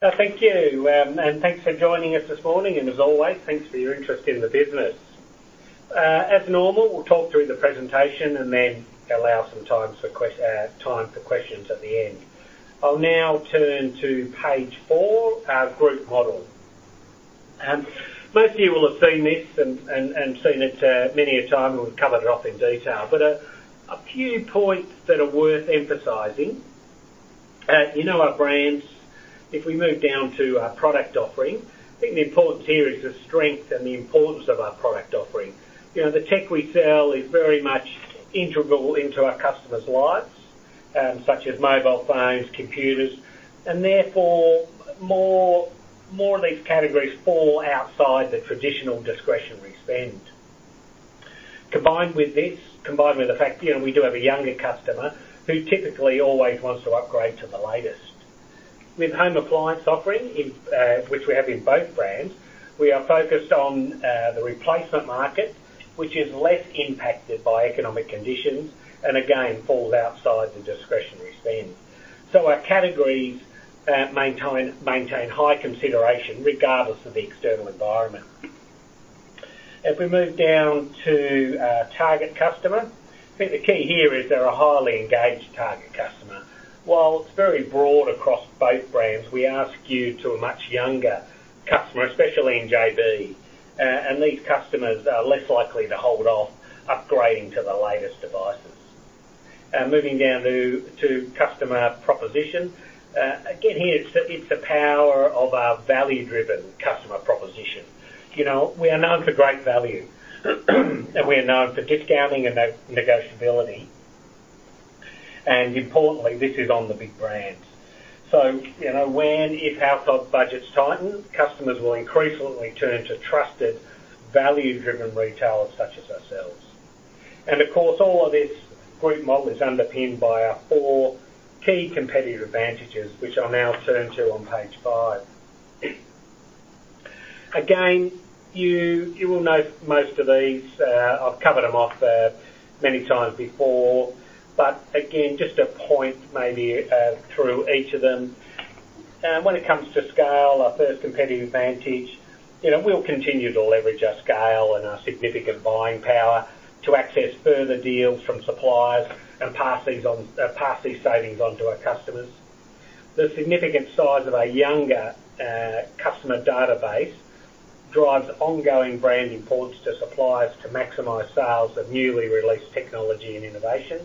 Thank you, and thanks for joining us this morning, and as always, thanks for your interest in the business. As normal, we'll talk through the presentation and then allow some time for questions at the end. I'll now turn to page four, our group model. Most of you will have seen this and seen it many a time, and we've covered it off in detail, but a few points that are worth emphasizing. You know our brands. If we move down to our product offering, I think the importance here is the strength and the importance of our product offering. You know, the tech we sell is very much integral into our customers' lives, such as mobile phones, computers, and therefore more of these categories fall outside the traditional discretionary spend. Combined with the fact, you know, we do have a younger customer who typically always wants to upgrade to the latest. With Home Appliance offering in which we have in both brands, we are focused on the replacement market, which is less impacted by economic conditions, and again, falls outside the discretionary spend. Our categories maintain high consideration regardless of the external environment. If we move down to our target customer, I think the key here is they're a highly engaged target customer. While it's very broad across both brands, we are skewed to a much younger customer, especially in JB, and these customers are less likely to hold off upgrading to the latest devices. Moving down to customer proposition. Again, here it's the power of our value-driven customer proposition. You know, we are known for great value, and we are known for discounting and negotiability. Importantly, this is on the big brands. You know, when, if household budgets tighten, customers will increasingly turn to trusted, value-driven retailers such as ourselves. Of course, all of this group model is underpinned by our four key competitive advantages, which I'll now turn to on page five. Again, you will know most of these. I've covered them off many times before, but again, just to point maybe through each of them. When it comes to scale, our first competitive advantage, you know, we'll continue to leverage our scale and our significant buying power to access further deals from suppliers and pass these savings on to our customers. The significant size of our younger customer database drives ongoing brand importance to suppliers to maximize sales of newly released technology and innovation.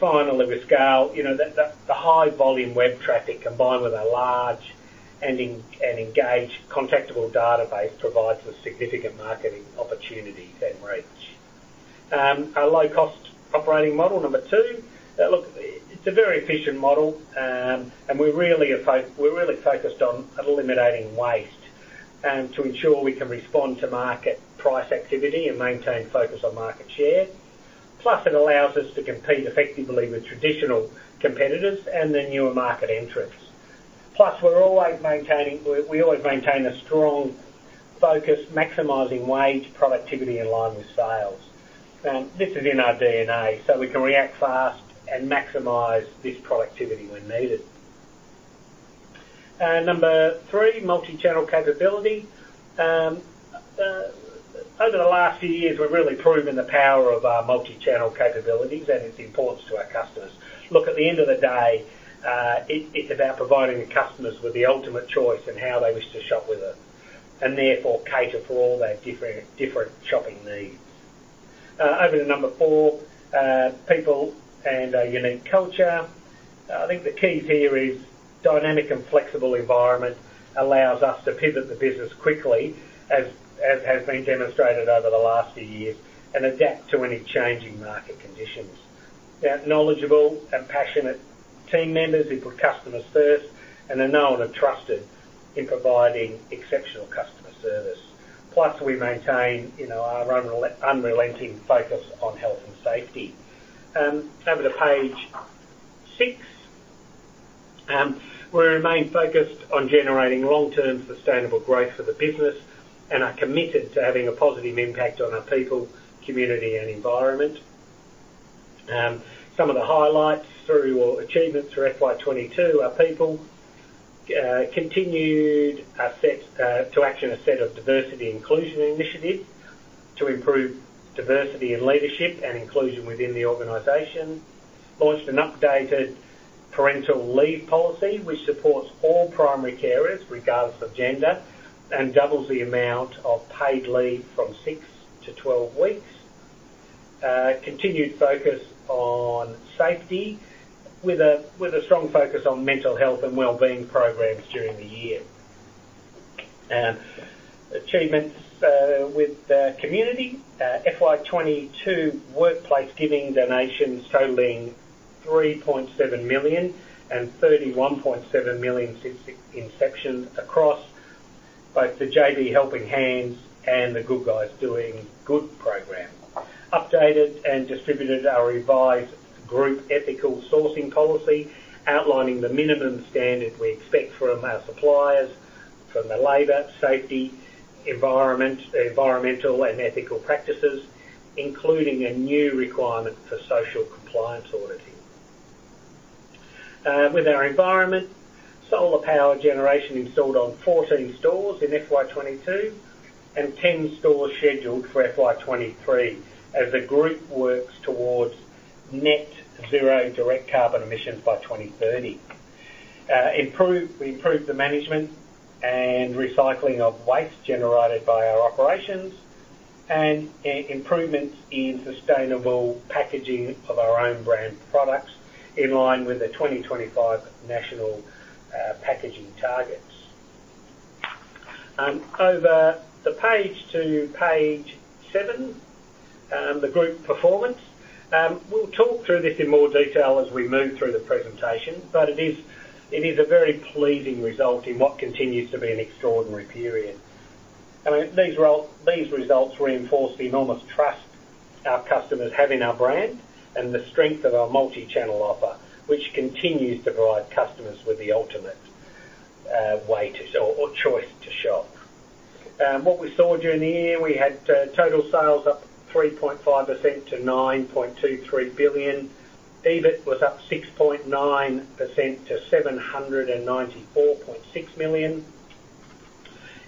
Finally, with scale, you know, the high volume web traffic combined with a large and engaged contactable database provides for significant marketing opportunities and reach. Our low-cost operating model, number two. Look, it's a very efficient model, and we're really focused on eliminating waste to ensure we can respond to market price activity and maintain focus on market share. Plus, it allows us to compete effectively with traditional competitors and the newer market entrants. Plus, we always maintain a strong focus maximizing wage productivity in line with sales. This is in our DNA, so we can react fast and maximize this productivity when needed. Number three, multi-channel capability. Over the last few years, we've really proven the power of our multi-channel capabilities and its importance to our customers. Look, at the end of the day, it's about providing the customers with the ultimate choice in how they wish to shop with us, and therefore cater for all their different shopping needs. Over to number four, people and our unique culture. I think the key here is dynamic and flexible environment allows us to pivot the business quickly as has been demonstrated over the last few years, and adapt to any changing market conditions. Our knowledgeable and passionate team members who put customers first and are known and trusted in providing exceptional customer service. Plus, we maintain, you know, our unrelenting focus on health and safety. Over to page six. We remain focused on generating long-term sustainable growth for the business and are committed to having a positive impact on our people, community, and environment. Some of the highlights through our achievements for FY22 are people. Continued to action a set of diversity inclusion initiatives to improve diversity in leadership and inclusion within the organization. Launched an updated parental leave policy which supports all primary carers regardless of gender and doubles the amount of paid leave from six to 12 weeks. Continued focus on safety with a strong focus on mental health and well-being programs during the year. Achievements with the community. FY22 workplace giving donations totaling 3.7 million and 31.7 million since inception across both the JB Helping Hands and the Good Guys Doing Good program. Updated and distributed our revised group ethical sourcing policy outlining the minimum standard we expect from our suppliers. From the labor, safety, environment, environmental and ethical practices, including a new requirement for social compliance auditing. With our environment, solar power generation installed on 14 stores in FY22 and 10 stores scheduled for FY23 as the group works towards net zero direct carbon emissions by 2030. We improved the management and recycling of waste generated by our operations and improvements in sustainable packaging of our own brand products in line with the 2025 national packaging targets. Over the page to page seven, the group performance. We'll talk through this in more detail as we move through the presentation, but it is a very pleasing result in what continues to be an extraordinary period. I mean, these results reinforce the enormous trust our customers have in our brand and the strength of our multi-channel offer, which continues to provide customers with the ultimate way or choice to shop. What we saw during the year, we had total sales up 3.5% to 9.23 billion. EBIT was up 6.9% to 794.6 million.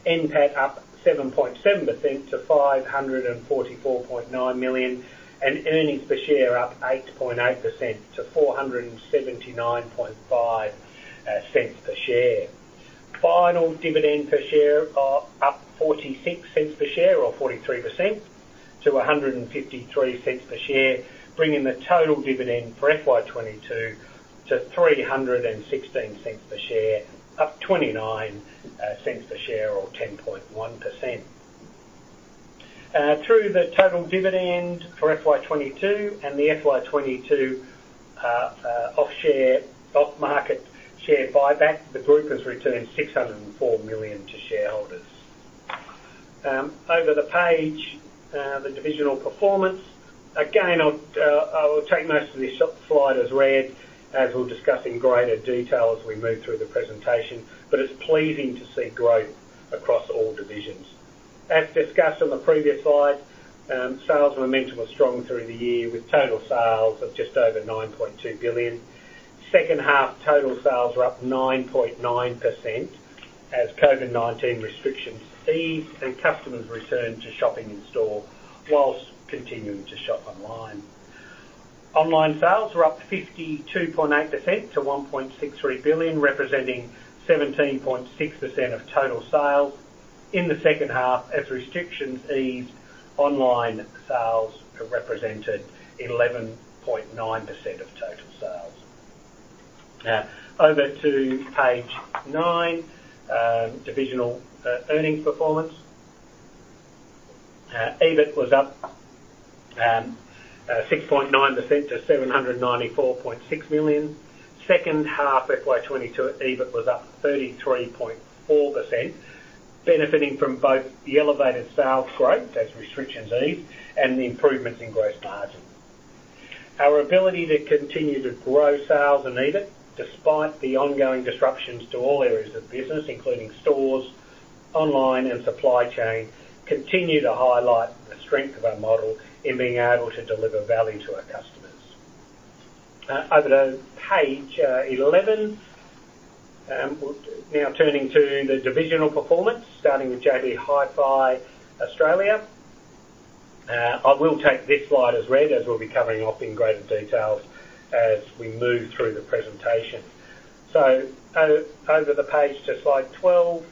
NPAT up 7.7% to 544.9 million. Earnings per share up 8.8% to 4.795 per share. Final dividend per share are up 0.46 per share or 43% to 1.53 per share, bringing the total dividend for FY22 to 0.36 per share, up 0.29 per share or 10.1%. Through the total dividend for FY22 and the FY22 off-market share buyback, the group has returned 604 million to shareholders. Over the page, the divisional performance. Again, I will take most of this slide as read as we'll discuss in greater detail as we move through the presentation, but it's pleasing to see growth across all divisions. As discussed on the previous slide, sales momentum was strong through the year with total sales of just over AUD 9.2 billion. H2 total sales were up 9.9% as COVID-19 restrictions eased and customers returned to shopping in store while continuing to shop online. Online sales were up 52.8% to 1.63 billion, representing 17.6% of total sales. In the H2 as restrictions eased, online sales represented 11.9% of total sales. Over to page nine, divisional earnings performance. EBIT was up 6.9% to 794.6 million. H2 FY22, EBIT was up 33.4%, benefiting from both the elevated sales growth as restrictions eased and the improvements in gross margin. Our ability to continue to grow sales and EBIT despite the ongoing disruptions to all areas of the business, including stores, online and supply chain, continue to highlight the strength of our model in being able to deliver value to our customers. Over to page 11. We're now turning to the divisional performance, starting with JB Hi-Fi Australia. I will take this slide as read as we'll be covering off in greater detail as we move through the presentation. Over the page to slide 12.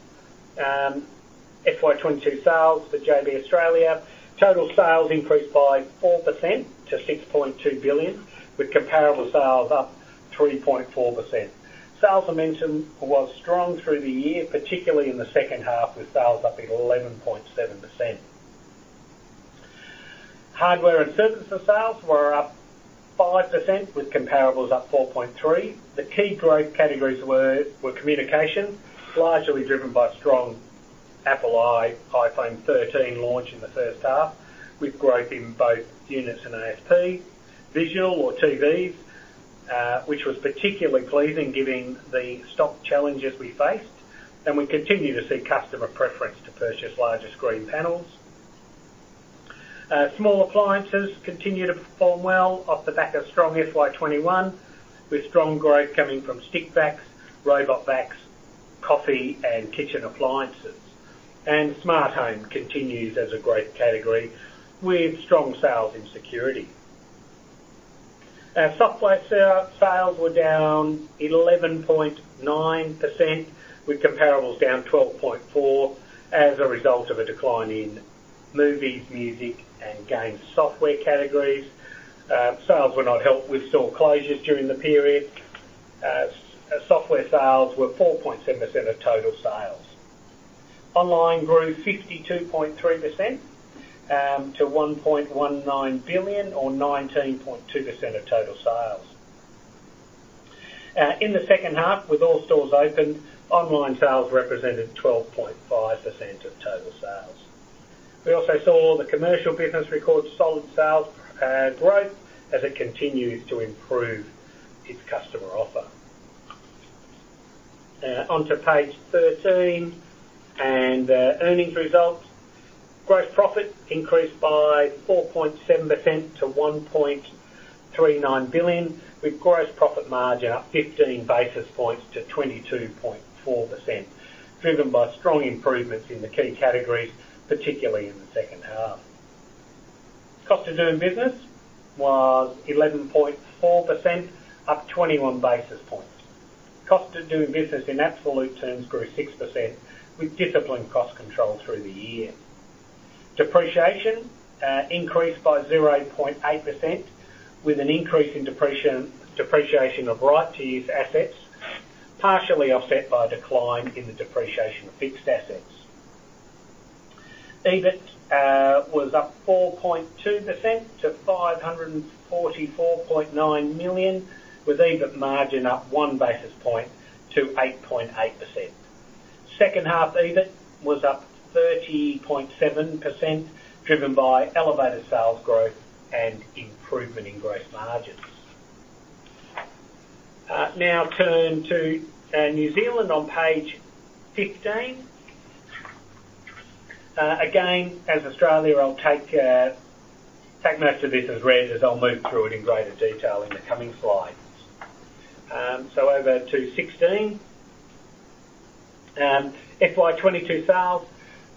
FY22 sales for JB Australia. Total sales increased by 4% to 6.2 billion, with comparable sales up 3.4%. Sales momentum was strong through the year, particularly in the H2, with sales up 11.7%. Hardware and services sales were up 5%, with comparables up 4.3%. The key growth categories were communication, largely driven by strong Apple iPhone 13 launch in the H1, with growth in both units and ASP. Visuals or TVs, which was particularly pleasing given the stock challenges we faced. We continue to see customer preference to purchase larger screen panels. Small appliances continue to perform well off the back of strong FY21, with strong growth coming from stick vacs, robot vacs, coffee and kitchen appliances. Smart Home continues as a great category with strong sales in security. Our software sales were down 11.9%, with comparables down 12.4 as a result of a decline in movies, music and games software categories. Sales were not helped with store closures during the period. Software sales were 4.7% of total sales. Online grew 52.3% to 1.19 billion or 19.2% of total sales. In the H2, with all stores open, online sales represented 12.5% of total sales. We also saw the commercial business record solid sales growth as it continues to improve its customer offer. On to page 13 and earnings results. Gross profit increased by 4.7% to 1.39 billion, with gross profit margin up 15 basis points to 22.4%, driven by strong improvements in the key categories, particularly in the H2. Cost of doing business was 11.4%, up 21 basis points. Cost of doing business in absolute terms grew 6% with disciplined cost control through the year. Depreciation increased by 0.8% with an increase in depreciation of right to use assets, partially offset by a decline in the depreciation of fixed assets. EBIT was up 4.2% to 544.9 million, with EBIT margin up 1 basis point to 8.8%. H2 EBIT was up 30.7%, driven by elevated sales growth and improvement in gross margins. Now turn to New Zealand on page 15. Again, as Australia, I'll take most of this as read as I'll move through it in greater detail in the coming slides. So over to 16. FY22 sales.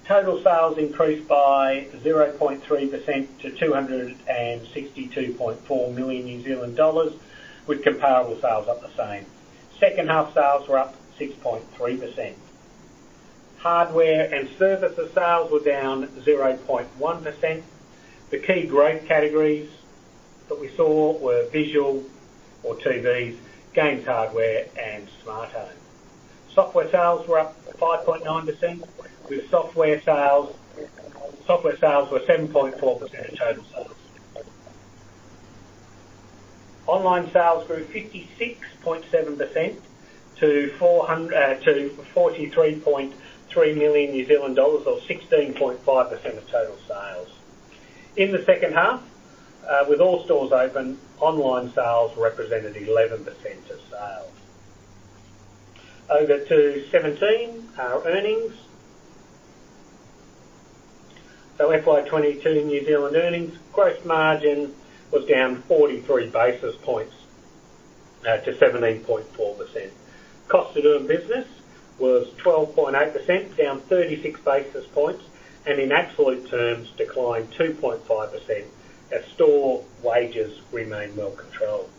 Total sales increased by 0.3% to 262.4 million New Zealand dollars, with comparable sales up the same. H2 sales were up 6.3%. Hardware and services sales were down 0.1%. The key growth categories that we saw were visual or TVs, games, hardware and Smart Home. Software sales were up 5.9%, with software sales were 7.4% of total sales. Online sales grew 56.7% to NZD 43.3 million or 16.5% of total sales. In the H2, with all stores open, online sales represented 11% of sales. Over to 17. Our earnings. FY22 New Zealand earnings gross margin was down 43 basis points to 17.4%. Cost of doing business was 12.8%, down 36 basis points, and in absolute terms, declined 2.5% as store wages remain well controlled.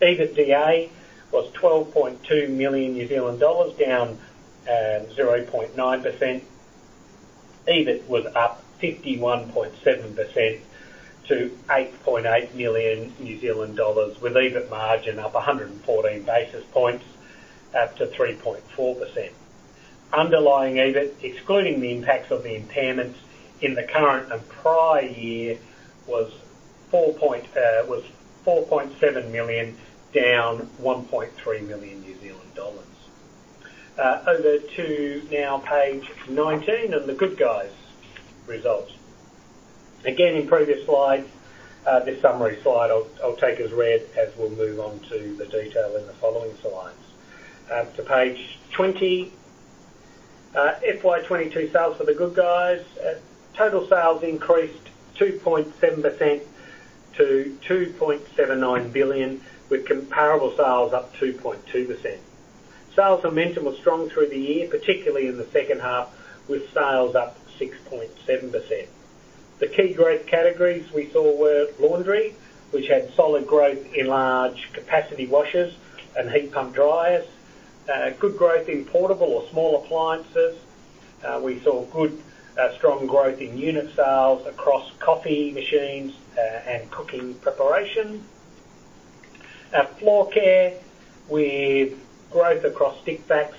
EBITDA was 12.2 million New Zealand dollars, down 0.9%. EBIT was up 51.7% to 8.8 million New Zealand dollars, with EBIT margin up 114 basis points to 3.4%. Underlying EBIT, excluding the impacts of the impairments in the current and prior year, was 4.7 million, down 1.3 million New Zealand dollars. Over now to page 19 and The Good Guys results. Again, in previous slides, this summary slide I'll take as read as we'll move on to the detail in the following slides. To page 20. FY22 sales for The Good Guys. Total sales increased 2.7% to 2.79 billion, with comparable sales up 2.2%. Sales momentum was strong through the year, particularly in the H2, with sales up 6.7%. The key growth categories we saw were laundry, which had solid growth in large capacity washers and heat pump dryers. Good growth in portable or small appliances. We saw good, strong growth in unit sales across coffee machines, and cooking preparation. Floor care with growth across stick vacs,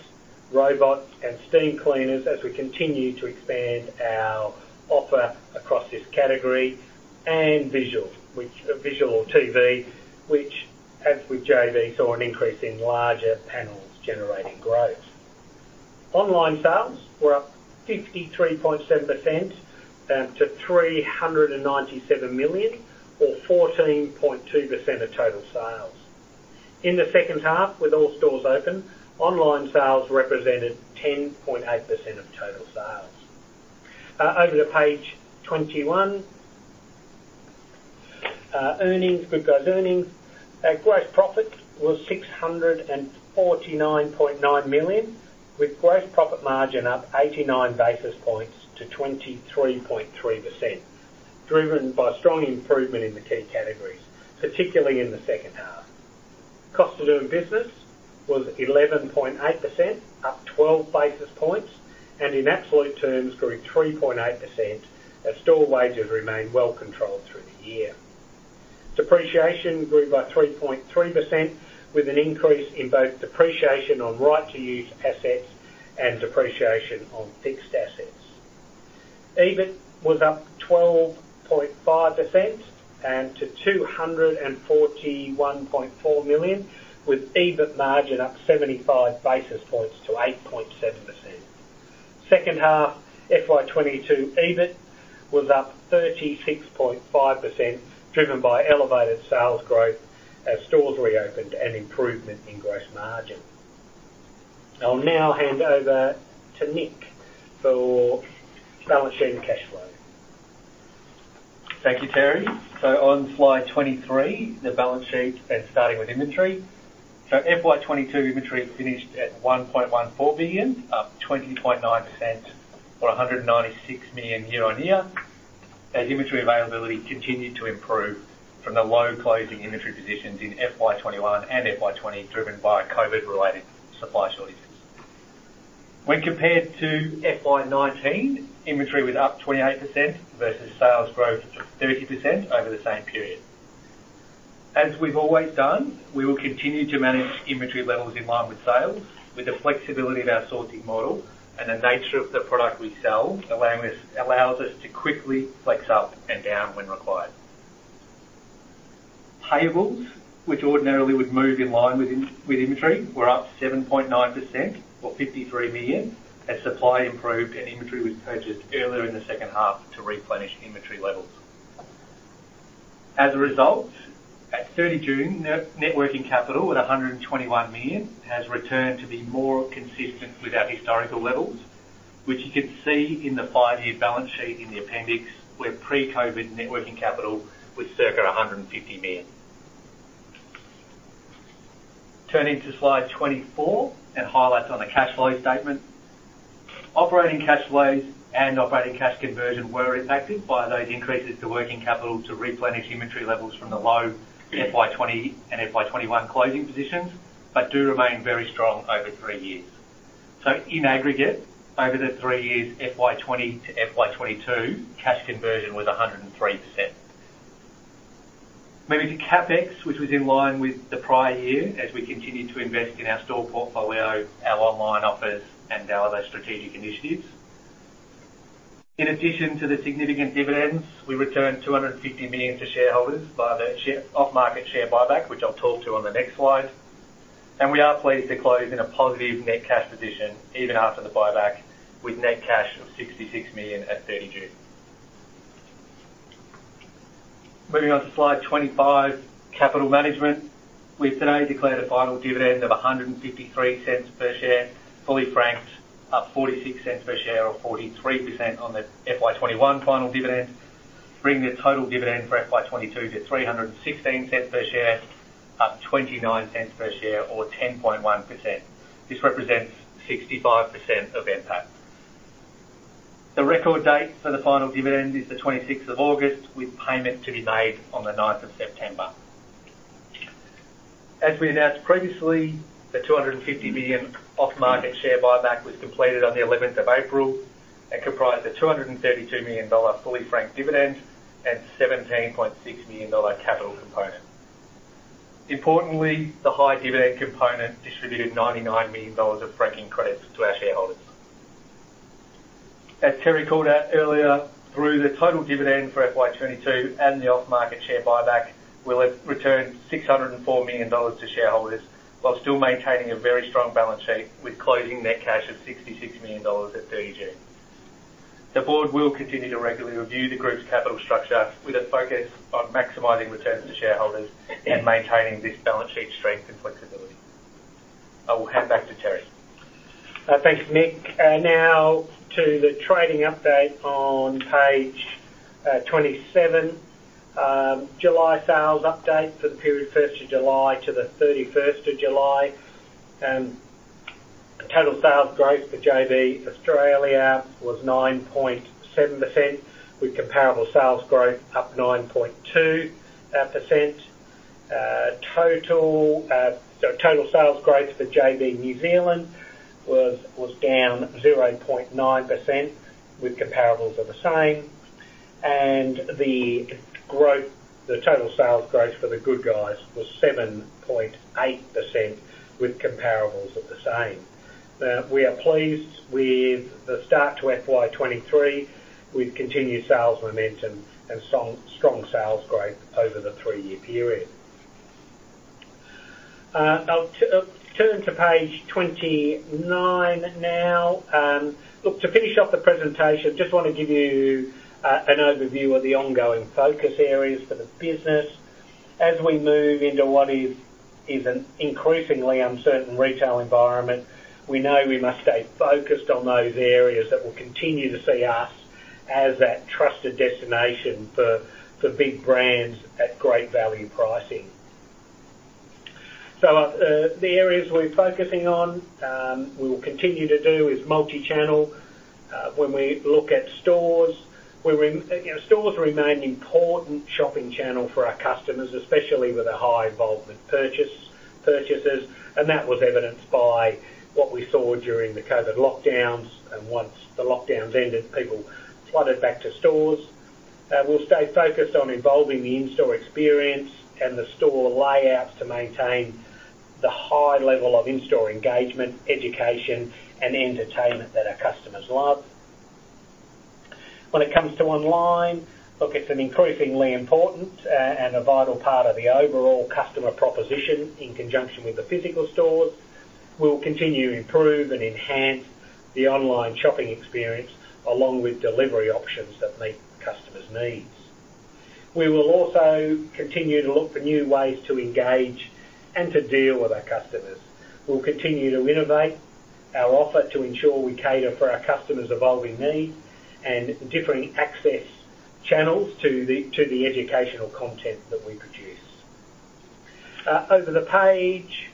robots and steam cleaners as we continue to expand our offer across this category. Visual or TV, which as with JB saw an increase in larger panels generating growth. Online sales were up 53.7% to 397 million or 14.2% of total sales. In the H2, with all stores open, online sales represented 10.8% of total sales. Over to page 21. Earnings, The Good Guys earnings. Our gross profit was 649.9 million, with gross profit margin up 89 basis points to 23.3%, driven by strong improvement in the key categories, particularly in the H2. Cost of Doing Business was 11.8%, up 12 basis points, and in absolute terms grew 3.8% as store wages remain well-controlled through the year. Depreciation grew by 3.3% with an increase in both depreciation on right-of-use assets and depreciation on fixed assets. EBIT was up 12.5% to 241.4 million, with EBIT margin up 75 basis points to 8.7%. H2 FY22 EBIT was up 36.5% driven by elevated sales growth as stores reopened and improvement in gross margin. I'll now hand over to Nick for balance sheet and cash flow. Thank you, Terry. On slide 23, the balance sheet and starting with inventory. FY22 inventory finished at 1.14 billion, up 20.9% or 196 million year-on-year as inventory availability continued to improve from the low closing inventory positions in FY21 and FY20, driven by COVID-related supply shortages. When compared to FY19, inventory was up 28% versus sales growth of 30% over the same period. As we've always done, we will continue to manage inventory levels in line with sales with the flexibility of our sourcing model and the nature of the product we sell, allows us to quickly flex up and down when required. Payables, which ordinarily would move in line with inventory, were up 7.9% or 53 million as supply improved and inventory was purchased earlier in the H2 to replenish inventory levels. As a result, at 30 June, net working capital at 121 million has returned to be more consistent with our historical levels, which you can see in the five-year balance sheet in the appendix, where pre-COVID working capital was circa AUD 150 million. Turning to slide 24 and highlights on the cash flow statement. Operating cash flows and operating cash conversion were impacted by those increases to working capital to replenish inventory levels from the low FY 2020 and FY 2021 closing positions, but do remain very strong over three years. In aggregate, over the three years FY 2020-FY 2022, cash conversion was 103%. Moving to CapEx, which was in line with the prior year as we continued to invest in our store portfolio, our online offers, and our other strategic initiatives. In addition to the significant dividends, we returned 250 million to shareholders via the off-market share buyback, which I'll talk to on the next slide. We are pleased to close in a positive net cash position even after the buyback with net cash of 66 million at 30 June. Moving on to slide 25, capital management. We've today declared a final dividend of 1.53 per share, fully franked up 0.46 per share or 43% on the FY21 final dividend, bringing the total dividend for FY22 to 3.16 per share, up 0.29 per share or 10.1%. This represents 65% of NPAT. The record date for the final dividend is the 26th of August, with payment to be made on the 9th of September. As we announced previously, the AUD 250 million off-market share buyback was completed on the 11th of April and comprised a 232 million dollar fully franked dividend and 17.6 million dollar capital component. Importantly, the high dividend component distributed 99 million dollars of franking credits to our shareholders. As Terry called out earlier, through the total dividend for FY22 and the off-market share buyback, we'll have returned 604 million dollars to shareholders while still maintaining a very strong balance sheet with closing net cash of 66 million dollars at 30 June. The board will continue to regularly review the group's capital structure with a focus on maximizing returns to shareholders and maintaining this balance sheet strength and flexibility. I will hand back to Terry. Thanks, Nick. Now to the trading update on page 27. July sales update for the period 1st of July to the 31 of July. Total sales growth for JB Australia was 9.7%, with comparable sales growth up 9.2%. Total sales growth for JB New Zealand was down 0.9% with comparables of the same. Total sales growth for The Good Guys was 7.8% with comparables at the same. Now we are pleased with the start to FY23, with continued sales momentum and strong sales growth over the three-year period. I'll turn to page 29 now. Look, to finish off the presentation, just wanna give you an overview of the ongoing focus areas for the business. As we move into what is an increasingly uncertain retail environment, we know we must stay focused on those areas that will continue to see us as that trusted destination for big brands at great value pricing. The areas we're focusing on we will continue to do is multi-channel. When we look at stores we're in. You know, stores remain an important shopping channel for our customers, especially with the high involvement purchases, and that was evidenced by what we saw during the COVID lockdowns. Once the lockdowns ended, people flooded back to stores. We'll stay focused on evolving the in-store experience and the store layouts to maintain the high level of in-store engagement, education, and entertainment that our customers love. When it comes to online, look, it's an increasingly important and a vital part of the overall customer proposition in conjunction with the physical stores. We'll continue to improve and enhance the online shopping experience, along with delivery options that meet customers' needs. We will also continue to look for new ways to engage and to deal with our customers. We'll continue to innovate our offer to ensure we cater for our customers' evolving needs and differing access channels to the educational content that we produce. Over the page,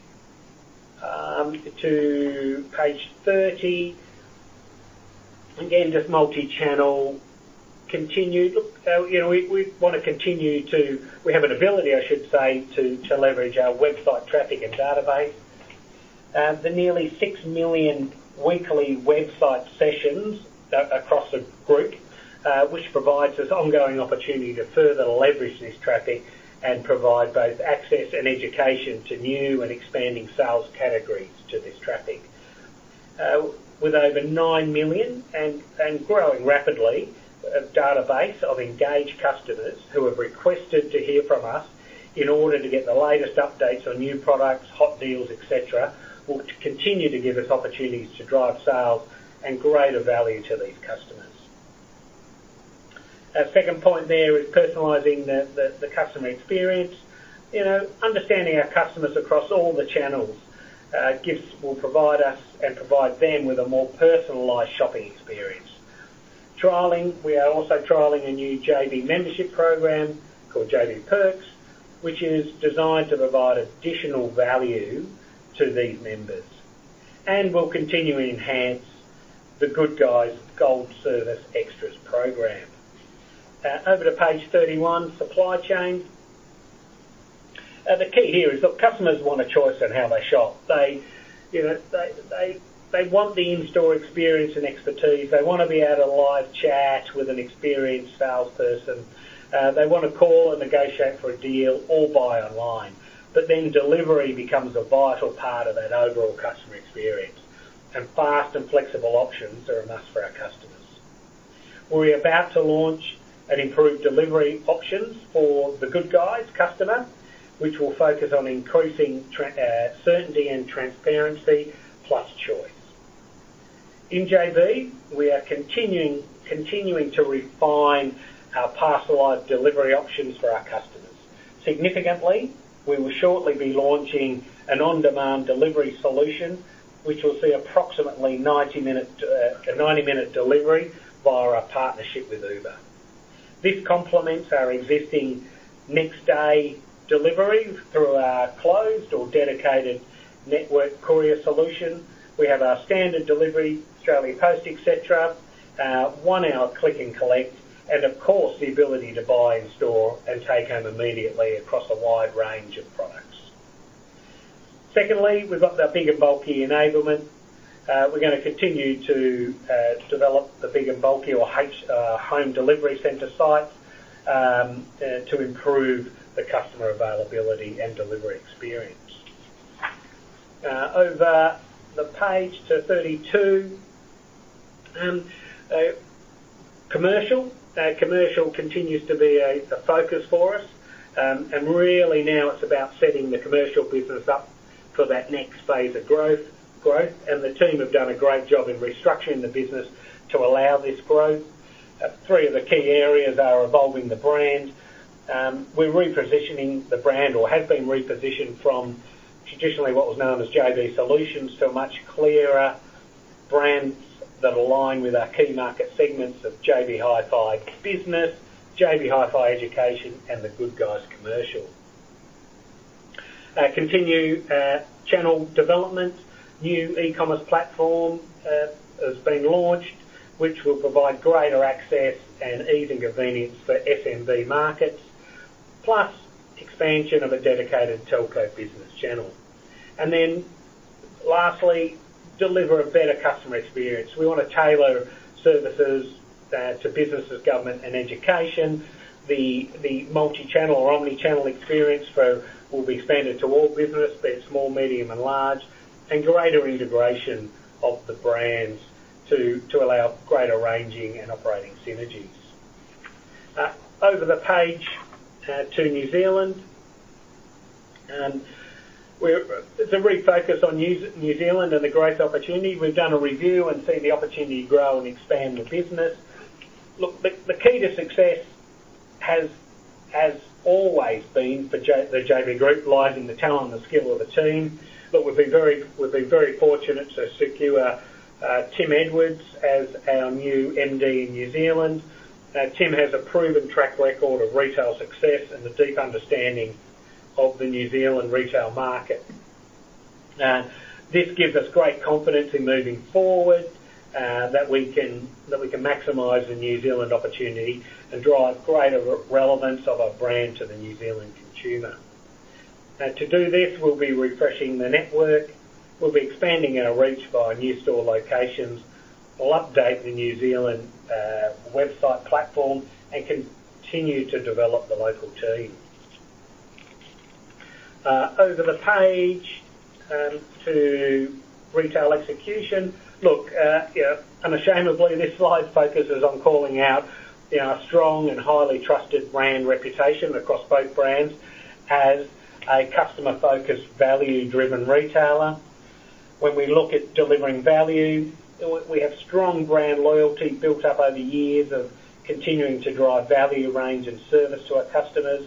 to page 30. Again, just multi-channel continue. Look, you know, we wanna continue to. We have an ability, I should say, to leverage our website traffic and database. The nearly 6 million weekly website sessions across the group, which provides us ongoing opportunity to further leverage this traffic and provide both access and education to new and expanding sales categories to this traffic. With over 9 million, and growing rapidly, a database of engaged customers who have requested to hear from us in order to get the latest updates on new products, hot deals, et cetera, will continue to give us opportunities to drive sales and greater value to these customers. Our second point there is personalizing the customer experience. You know, understanding our customers across all the channels, gives will provide us and provide them with a more personalized shopping experience. We are also trialing a new JB Hi-Fi membership program called JB Hi-Fi Perks, which is designed to provide additional value to these members. We'll continue to enhance The Good Guys Gold Service Extras program. Over to page 31, supply chain. The key here is, look, customers want a choice in how they shop. You know, they want the in-store experience and expertise. They want to be able to live chat with an experienced salesperson. They want to call and negotiate for a deal or buy online. Delivery becomes a vital part of that overall customer experience, and fast and flexible options are a must for our customers. We're about to launch and improve delivery options for The Good Guys customer, which will focus on increasing certainty and transparency, plus choice. In JB, we are continuing to refine our parcelized delivery options for our customers. Significantly, we will shortly be launching an on-demand delivery solution, which will see approximately a 90-minute delivery via our partnership with Uber. This complements our existing next-day delivery through our closed or dedicated network courier solution. We have our standard delivery, Australia Post, et cetera, one hour click and collect and, of course, the ability to buy in store and take home immediately across a wide range of products. Secondly, we've got the big and bulky enablement. We're gonna continue to develop the big and bulky home delivery center sites to improve the customer availability and delivery experience. Over the page to 32. Commercial continues to be the focus for us. Really now it's about setting the commercial business up for that next phase of growth. The team have done a great job in restructuring the business to allow this growth. Three of the key areas are evolving the brand. We're repositioning the brand, or have been repositioned from traditionally what was known as JB Hi-Fi Solutions to a much clearer brands that align with our key market segments of JB Hi-Fi Business, JB Hi-Fi Education, and The Good Guys Commercial. Continue channel development. New eCommerce platform has been launched, which will provide greater access and ease and convenience for SMB markets, plus expansion of a dedicated telco business channel. Lastly, deliver a better customer experience. We wanna tailor services to businesses, government and education. The multi-channel or omni-channel experience will be expanded to all business, be it small, medium and large, and greater integration of the brands to allow greater ranging and operating synergies. Over the page to New Zealand. It's a big focus on New Zealand and a great opportunity. We've done a review and seen the opportunity to grow and expand the business. The key to success has always been for the JB Group, lies in the talent and skill of the team. We've been very fortunate to secure Tim Edwards as our new MD in New Zealand. Tim has a proven track record of retail success and a deep understanding of the New Zealand retail market. This gives us great confidence in moving forward, that we can maximize the New Zealand opportunity and drive greater relevance of our brand to the New Zealand consumer. To do this, we'll be refreshing the network. We'll be expanding our reach via new store locations. We'll update the New Zealand website platform and continue to develop the local team. Over the page, to retail execution. Look, you know, unashamedly, this slide's focus is on calling out, you know, our strong and highly trusted brand reputation across both brands as a customer-focused, value-driven retailer. When we look at delivering value, we have strong brand loyalty built up over years of continuing to drive value range and service to our customers.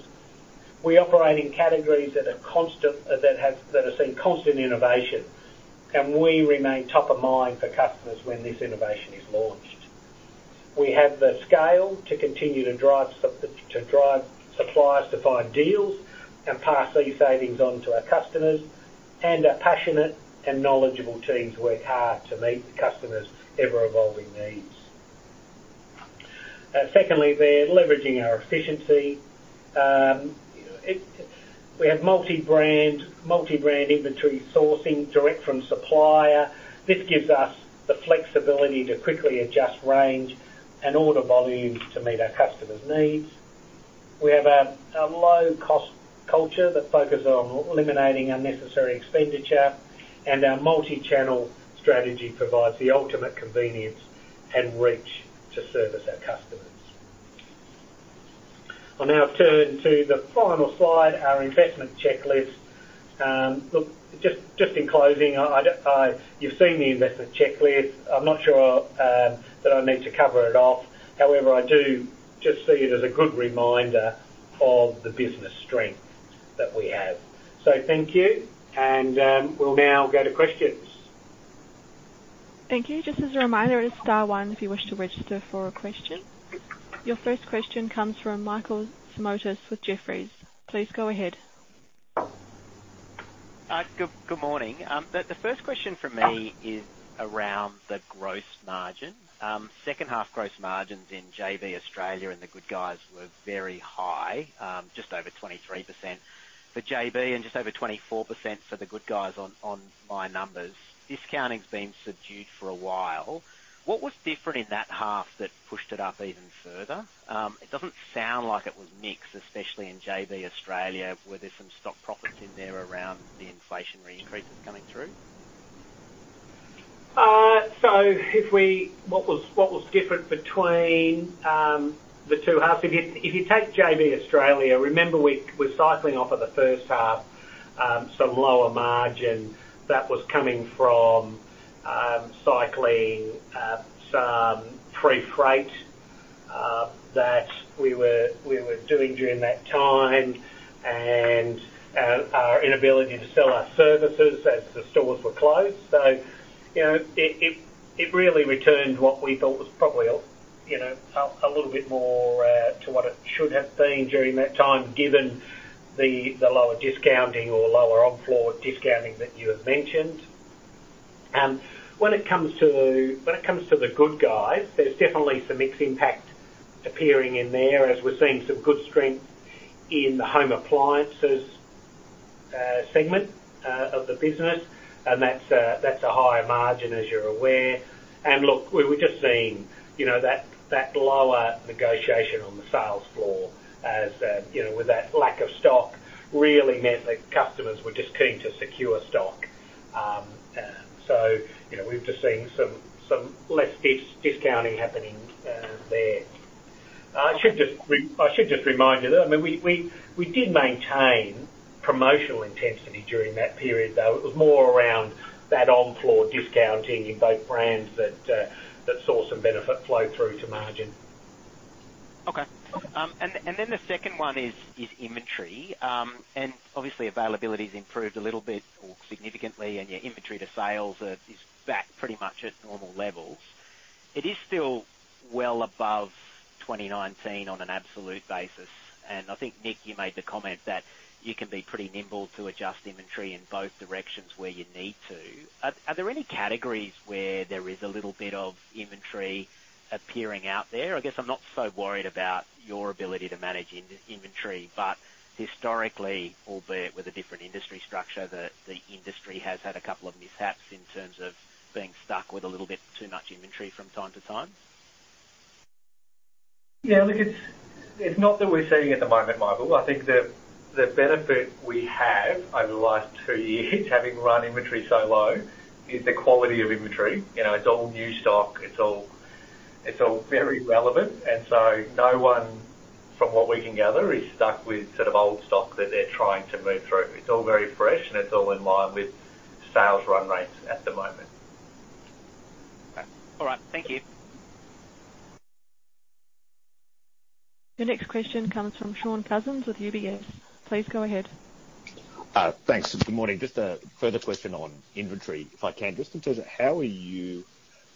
We operate in categories that have seen constant innovation, and we remain top of mind for customers when this innovation is launched. We have the scale to continue to drive suppliers to find deals and pass these savings on to our customers. Our passionate and knowledgeable teams work hard to meet the customers' ever-evolving needs. Secondly, we're leveraging our efficiency. We have multi-brand inventory sourcing direct from supplier. This gives us the flexibility to quickly adjust range and order volume to meet our customers' needs. We have a low cost culture that focuses on eliminating unnecessary expenditure, and our multi-channel strategy provides the ultimate convenience and reach to service our customers. I'll now turn to the final slide, our investment checklist. Look, just in closing, you've seen the investment checklist. I'm not sure that I need to cover it off. However, I do just see it as a good reminder of the business strength that we have. Thank you, and we'll now go to questions. Thank you. Just as a reminder, it is star one if you wish to register for a question. Your first question comes from Michael Simotas with Jefferies. Please go ahead. Good morning. The first question from me is around the gross margin. H2 gross margins in JB Hi-Fi Australia and The Good Guys were very high, just over 23% for JB and just over 24% for The Good Guys on my numbers. Discounting's been subdued for a while. What was different in that half that pushed it up even further? It doesn't sound like it was mix, especially in JB Hi-Fi Australia. Were there some stock profits in there around the inflationary increases coming through? What was different between the two halves? If you take JB Hi-Fi Australia, remember we're cycling off of the H1, some lower margin that was coming from cycling some free freight that we were doing during that time and our inability to sell our services as the stores were closed. You know, it really returned what we thought was probably a little bit more to what it should have been during that time, given the lower discounting or lower on floor discounting that you have mentioned. When it comes to The Good Guys, there's definitely some mix impact appearing in there as we're seeing some good strength in the home appliances segment of the business. That's a higher margin, as you're aware. Look, we're just seeing, you know, that lower negotiation on the sales floor as, you know, with that lack of stock really meant that customers were just keen to secure stock. You know, we've just seen some less discounting happening there. I should just remind you that, I mean, we did maintain promotional intensity during that period. It was more around that on floor discounting in both brands that saw some benefit flow through to margin. The second one is inventory. Obviously availability's improved a little bit or significantly, and your inventory to sales is back pretty much at normal levels. It is still well above 2019 on an absolute basis. I think, Nick, you made the comment that you can be pretty nimble to adjust inventory in both directions where you need to. Are there any categories where there is a little bit of inventory appearing out there? I guess I'm not so worried about your ability to manage inventory, but historically, albeit with a different industry structure, the industry has had a couple of mishaps in terms of being stuck with a little bit too much inventory from time to time. Yeah, look, it's not that we're seeing at the moment, Michael. I think the benefit we have over the last two years having run inventory so low is the quality of inventory. You know, it's all new stock. It's all very relevant. No one, from what we can gather, is stuck with sort of old stock that they're trying to move through. It's all very fresh, and it's all in line with sales run rates at the moment. All right. Thank you. The next question comes from Shaun Cousins with UBS. Please go ahead. Thanks. Good morning. Just a further question on inventory, if I can. Just in terms of how are you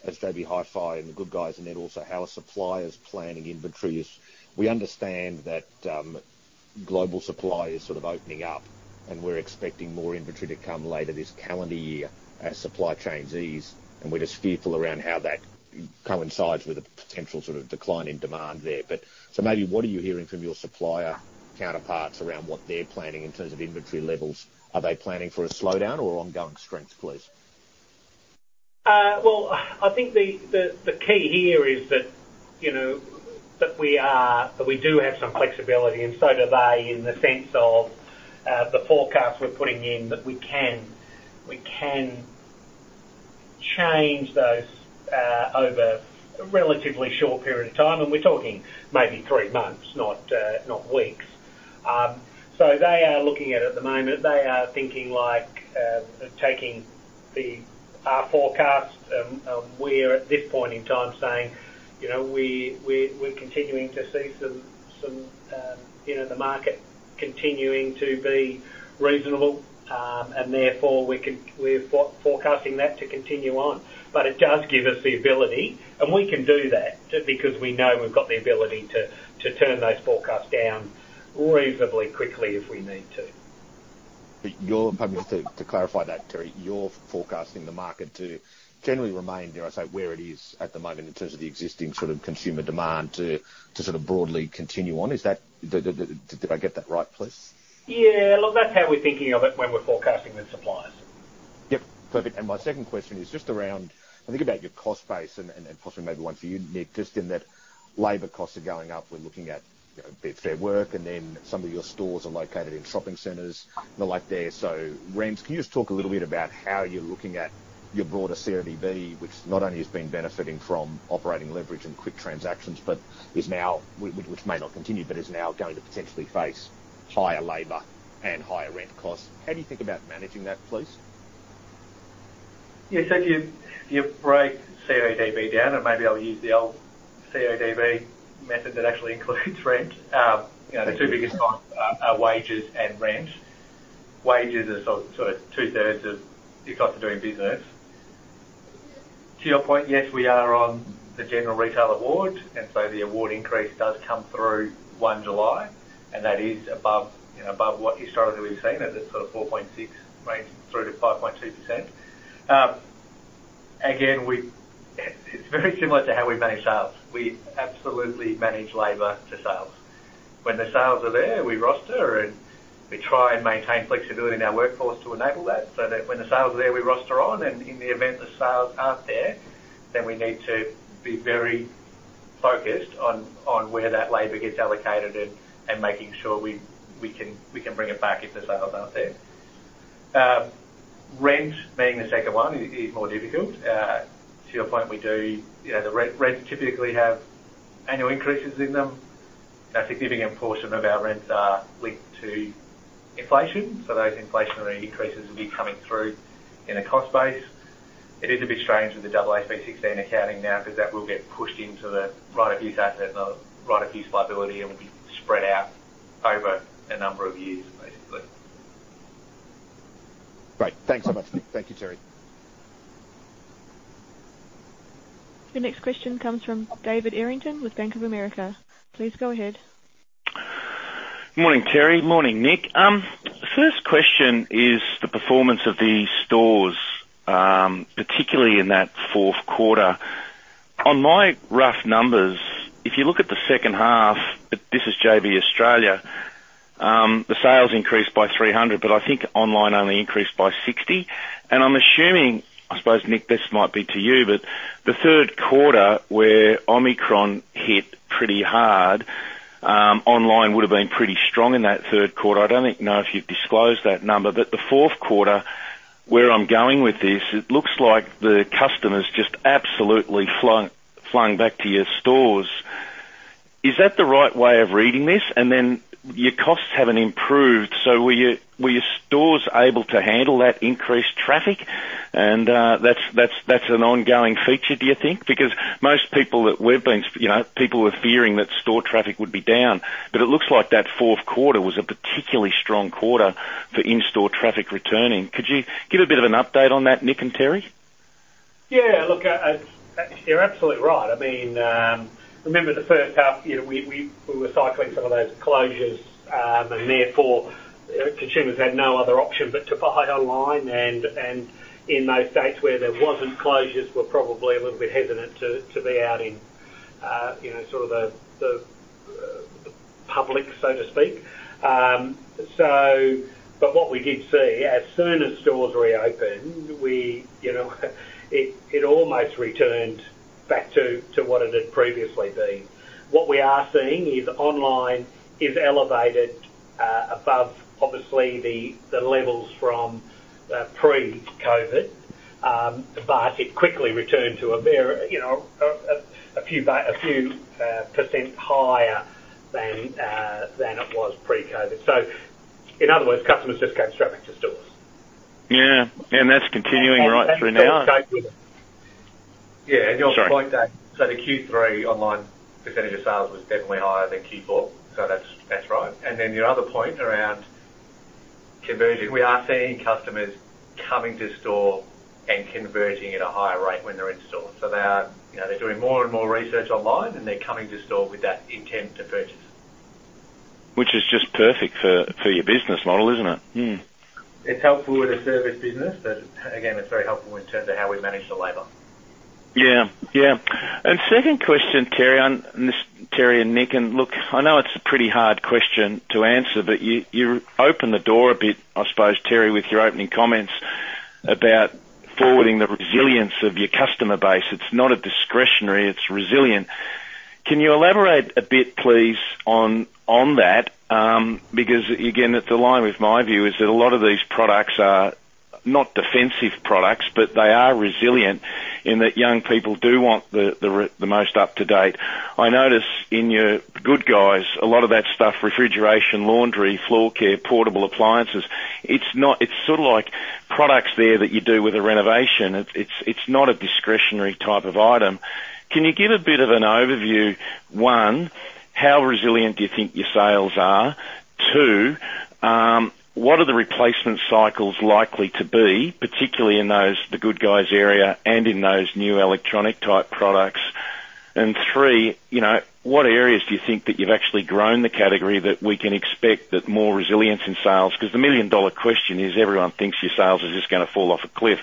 as JB Hi-Fi and The Good Guys, and then also how are suppliers planning inventory as we understand that, global supply is sort of opening up and we're expecting more inventory to come later this calendar year as supply chains ease, and we're just fearful around how that coincides with a potential sort of decline in demand there. Maybe what are you hearing from your supplier counterparts around what they're planning in terms of inventory levels? Are they planning for a slowdown or ongoing strength, please? Well, I think the key here is that, you know, that we do have some flexibility, and so do they, in the sense of the forecast we're putting in, that we can change those over a relatively short period of time, and we're talking maybe three months, not weeks. So they are looking at it at the moment. They are thinking like taking our forecast. We're at this point in time saying, you know, we're continuing to see some, you know, the market continuing to be reasonable, and therefore we can forecast that to continue on. It does give us the ability, and we can do that just because we know we've got the ability to turn those forecasts down reasonably quickly if we need to. Pardon me. To clarify that, Terry, you're forecasting the market to generally remain, dare I say, where it is at the moment in terms of the existing sort of consumer demand to sort of broadly continue on. Did I get that right, please? Yeah. Look, that's how we're thinking of it when we're forecasting the suppliers. Yep, perfect. My second question is just around, I think about your cost base and possibly maybe one for you, Nick, just in that labor costs are going up, we're looking at, you know, Fair Work, and then some of your stores are located in shopping centers and the like there. So rents, can you just talk a little bit about how you're looking at your broader CODB, which not only has been benefiting from operating leverage and quick transactions, but is now, which may not continue, but is now going to potentially face higher labor and higher rent costs. How do you think about managing that, please? Yeah. If you break CODB down, and maybe I'll use the old CODB method that actually includes rent, you know, the two biggest costs are wages and rent. Wages are sort of two-thirds of your cost of doing business. To your point, yes, we are on the general retail award, and so the award increase does come through 1 July, and that is above, you know, above what historically we've seen as it's sort of 4.6%-5.2%. Again, it's very similar to how we manage sales. We absolutely manage labor to sales. When the sales are there, we roster, and we try and maintain flexibility in our workforce to enable that, so that when the sales are there, we roster on. In the event the sales aren't there, then we need to be very focused on where that labor gets allocated and making sure we can bring it back if the sales aren't there. Rent being the second one is more difficult. To your point, we do, you know, the rent typically have annual increases in them. A significant portion of our rents are linked to inflation, so those inflationary increases will be coming through in a cost base. It is a bit strange with the AASB 16 accounting now because that will get pushed into the right-of-use asset and the right-of-use liability and will be spread out over a number of years, basically. Great. Thanks so much, Nick. Thank you, Terry. The next question comes from David Errington with Bank of America. Please go ahead. Morning, Terry. Morning, Nick. First question is the performance of the stores, particularly in that Q4. On my rough numbers, if you look at the H2, this is JB Hi-Fi Australia, the sales increased by 300, but I think online only increased by 60. I'm assuming, I suppose, Nick, this might be to you, but the Q3 where Omicron hit pretty hard, online would have been pretty strong in that Q3. I don't know if you've disclosed that number, but the Q4, where I'm going with this, it looks like the customers just absolutely flocked back to your stores. Is that the right way of reading this? Your costs haven't improved, so were your stores able to handle that increased traffic? That's an ongoing feature, do you think? Because most people that we've been, you know, people were fearing that store traffic would be down, but it looks like that Q4 was a particularly strong quarter for in-store traffic returning. Could you give a bit of an update on that, Nick and Terry? Yeah. Look, you're absolutely right. I mean, remember the H1, you know, we were cycling some of those closures, and therefore consumers had no other option but to buy online. In those states where there wasn't closures were probably a little bit hesitant to be out in, you know, sort of the public, so to speak. But what we did see, as soon as stores reopened, you know, it almost returned back to what it had previously been. What we are seeing is online is elevated above obviously the levels from pre-COVID, but it quickly returned to a very, you know, a few percent higher than it was pre-COVID. In other words, customers just came straight back to stores. Yeah. That's continuing right through now. Yeah. Your point there. Sorry. The Q3 online percentage of sales was definitely higher than Q4, so that's right. Your other point around conversion, we are seeing customers coming to store and converting at a higher rate when they're in store. They are, you know, they're doing more and more research online, and they're coming to store with that intent to purchase. Which is just perfect for your business model, isn't it? It's helpful with the service business, but again, it's very helpful in terms of how we manage the labor. Yeah, yeah. Second question, Terry, on this, Terry and Nick, look, I know it's a pretty hard question to answer, but you opened the door a bit, I suppose, Terry, with your opening comments about affirming the resilience of your customer base. It's not a discretionary, it's resilient. Can you elaborate a bit, please, on that? Because again, it's aligned with my view is that a lot of these products are not defensive products, but they are resilient in that young people do want the most up-to-date. I notice in The Good Guys a lot of that stuff, refrigeration, laundry, floor care, portable appliances, it's not. It's sort of like products there that you do with a renovation. It's not a discretionary type of item. Can you give a bit of an overview, one, how resilient do you think your sales are? Two, what are the replacement cycles likely to be, particularly in those The Good Guys area and in those new electronic-type products? And three, you know, what areas do you think that you've actually grown the category that we can expect that more resilience in sales? 'Cause the million-dollar question is everyone thinks your sales are just gonna fall off a cliff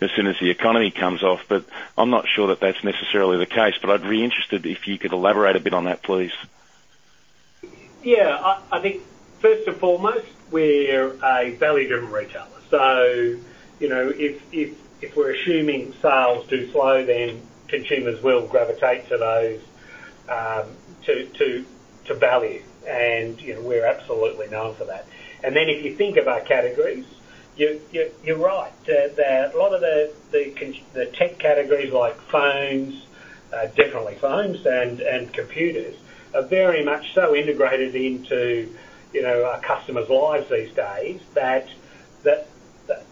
as soon as the economy comes off. But I'm not sure that that's necessarily the case, but I'd be interested if you could elaborate a bit on that, please. Yeah. I think first and foremost, we're a value-driven retailer. You know, if we're assuming sales do slow, then consumers will gravitate to those to value. You know, we're absolutely known for that. If you think of our categories, you're right. A lot of the tech categories like phones, definitely phones and computers are very much so integrated into you know, our customers' lives these days, that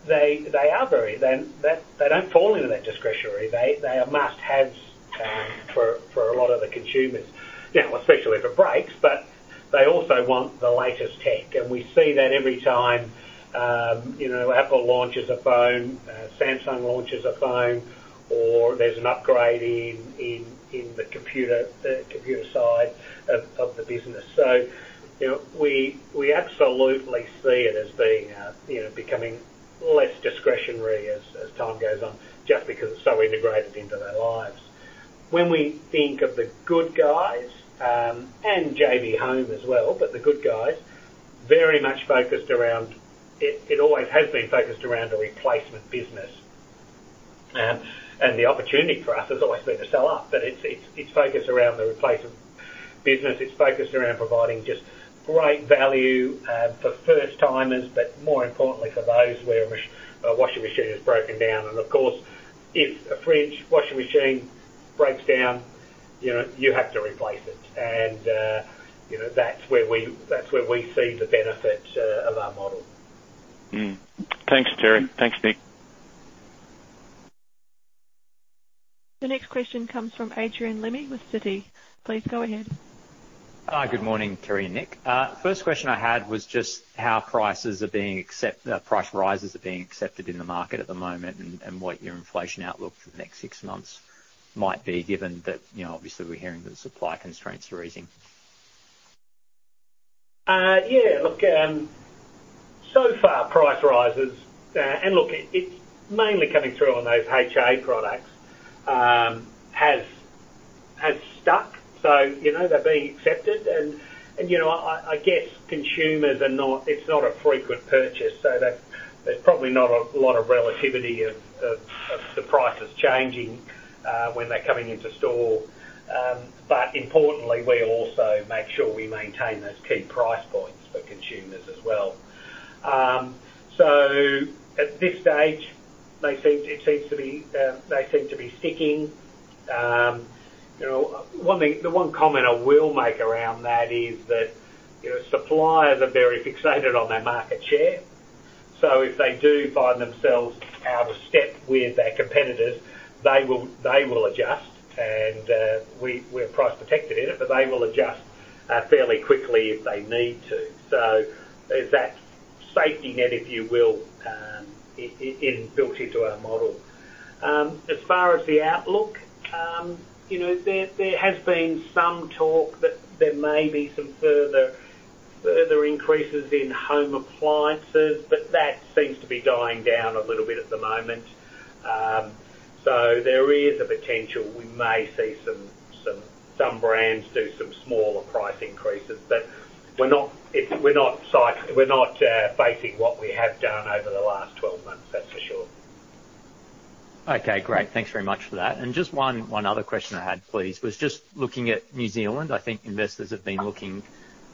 they are very. Then they don't fall into that discretionary. They are must-haves for a lot of the consumers. Now, especially if it breaks, but they also want the latest tech, and we see that every time, you know, Apple launches a phone, Samsung launches a phone, or there's an upgrade in the computer side of the business. You know, we absolutely see it as being, you know, becoming less discretionary as time goes on, just because it's so integrated into their lives. When we think of The Good Guys and JB Hi-Fi as well, but The Good Guys very much focused around it always has been focused around a replacement business. The opportunity for us has always been to sell up, but it's focused around the replacement business. It's focused around providing just great value for first-timers, but more importantly for those where a washing machine has broken down. Of course, if a fridge, washing machine breaks down, you know, you have to replace it. You know, that's where we see the benefit of our model. Thanks, Terry. Thanks, Nick. The next question comes from Adrian Lim with Citi. Please go ahead. Hi. Good morning, Terry and Nick. First question I had was just how price rises are being accepted in the market at the moment and what your inflation outlook for the next six months might be, given that, you know, obviously we're hearing that supply constraints are easing. Yeah. Look, so far price rises, and look, it's mainly coming through on those HA products, has stuck. You know, they're being accepted and, you know, I guess consumers are not. It's not a frequent purchase, so there's probably not a lot of relativity of the prices changing, when they're coming into store. Importantly, we also make sure we maintain those key price points for consumers as well. At this stage, they seem to be sticking. You know, one comment I will make around that is that, you know, suppliers are very fixated on their market share, so if they do find themselves out of step with their competitors, they will adjust. We're price protected in it, but they will adjust fairly quickly if they need to. There's that safety net, if you will, inbuilt into our model. As far as the outlook, you know, there has been some talk that there may be some further increases in home appliances, but that seems to be dying down a little bit at the moment. There is a potential we may see some brands do some smaller price increases, but we're not basing what we have done over the last 12 months, that's for sure. Okay. Great. Thanks very much for that. Just one other question I had, please, was just looking at New Zealand. I think investors have been looking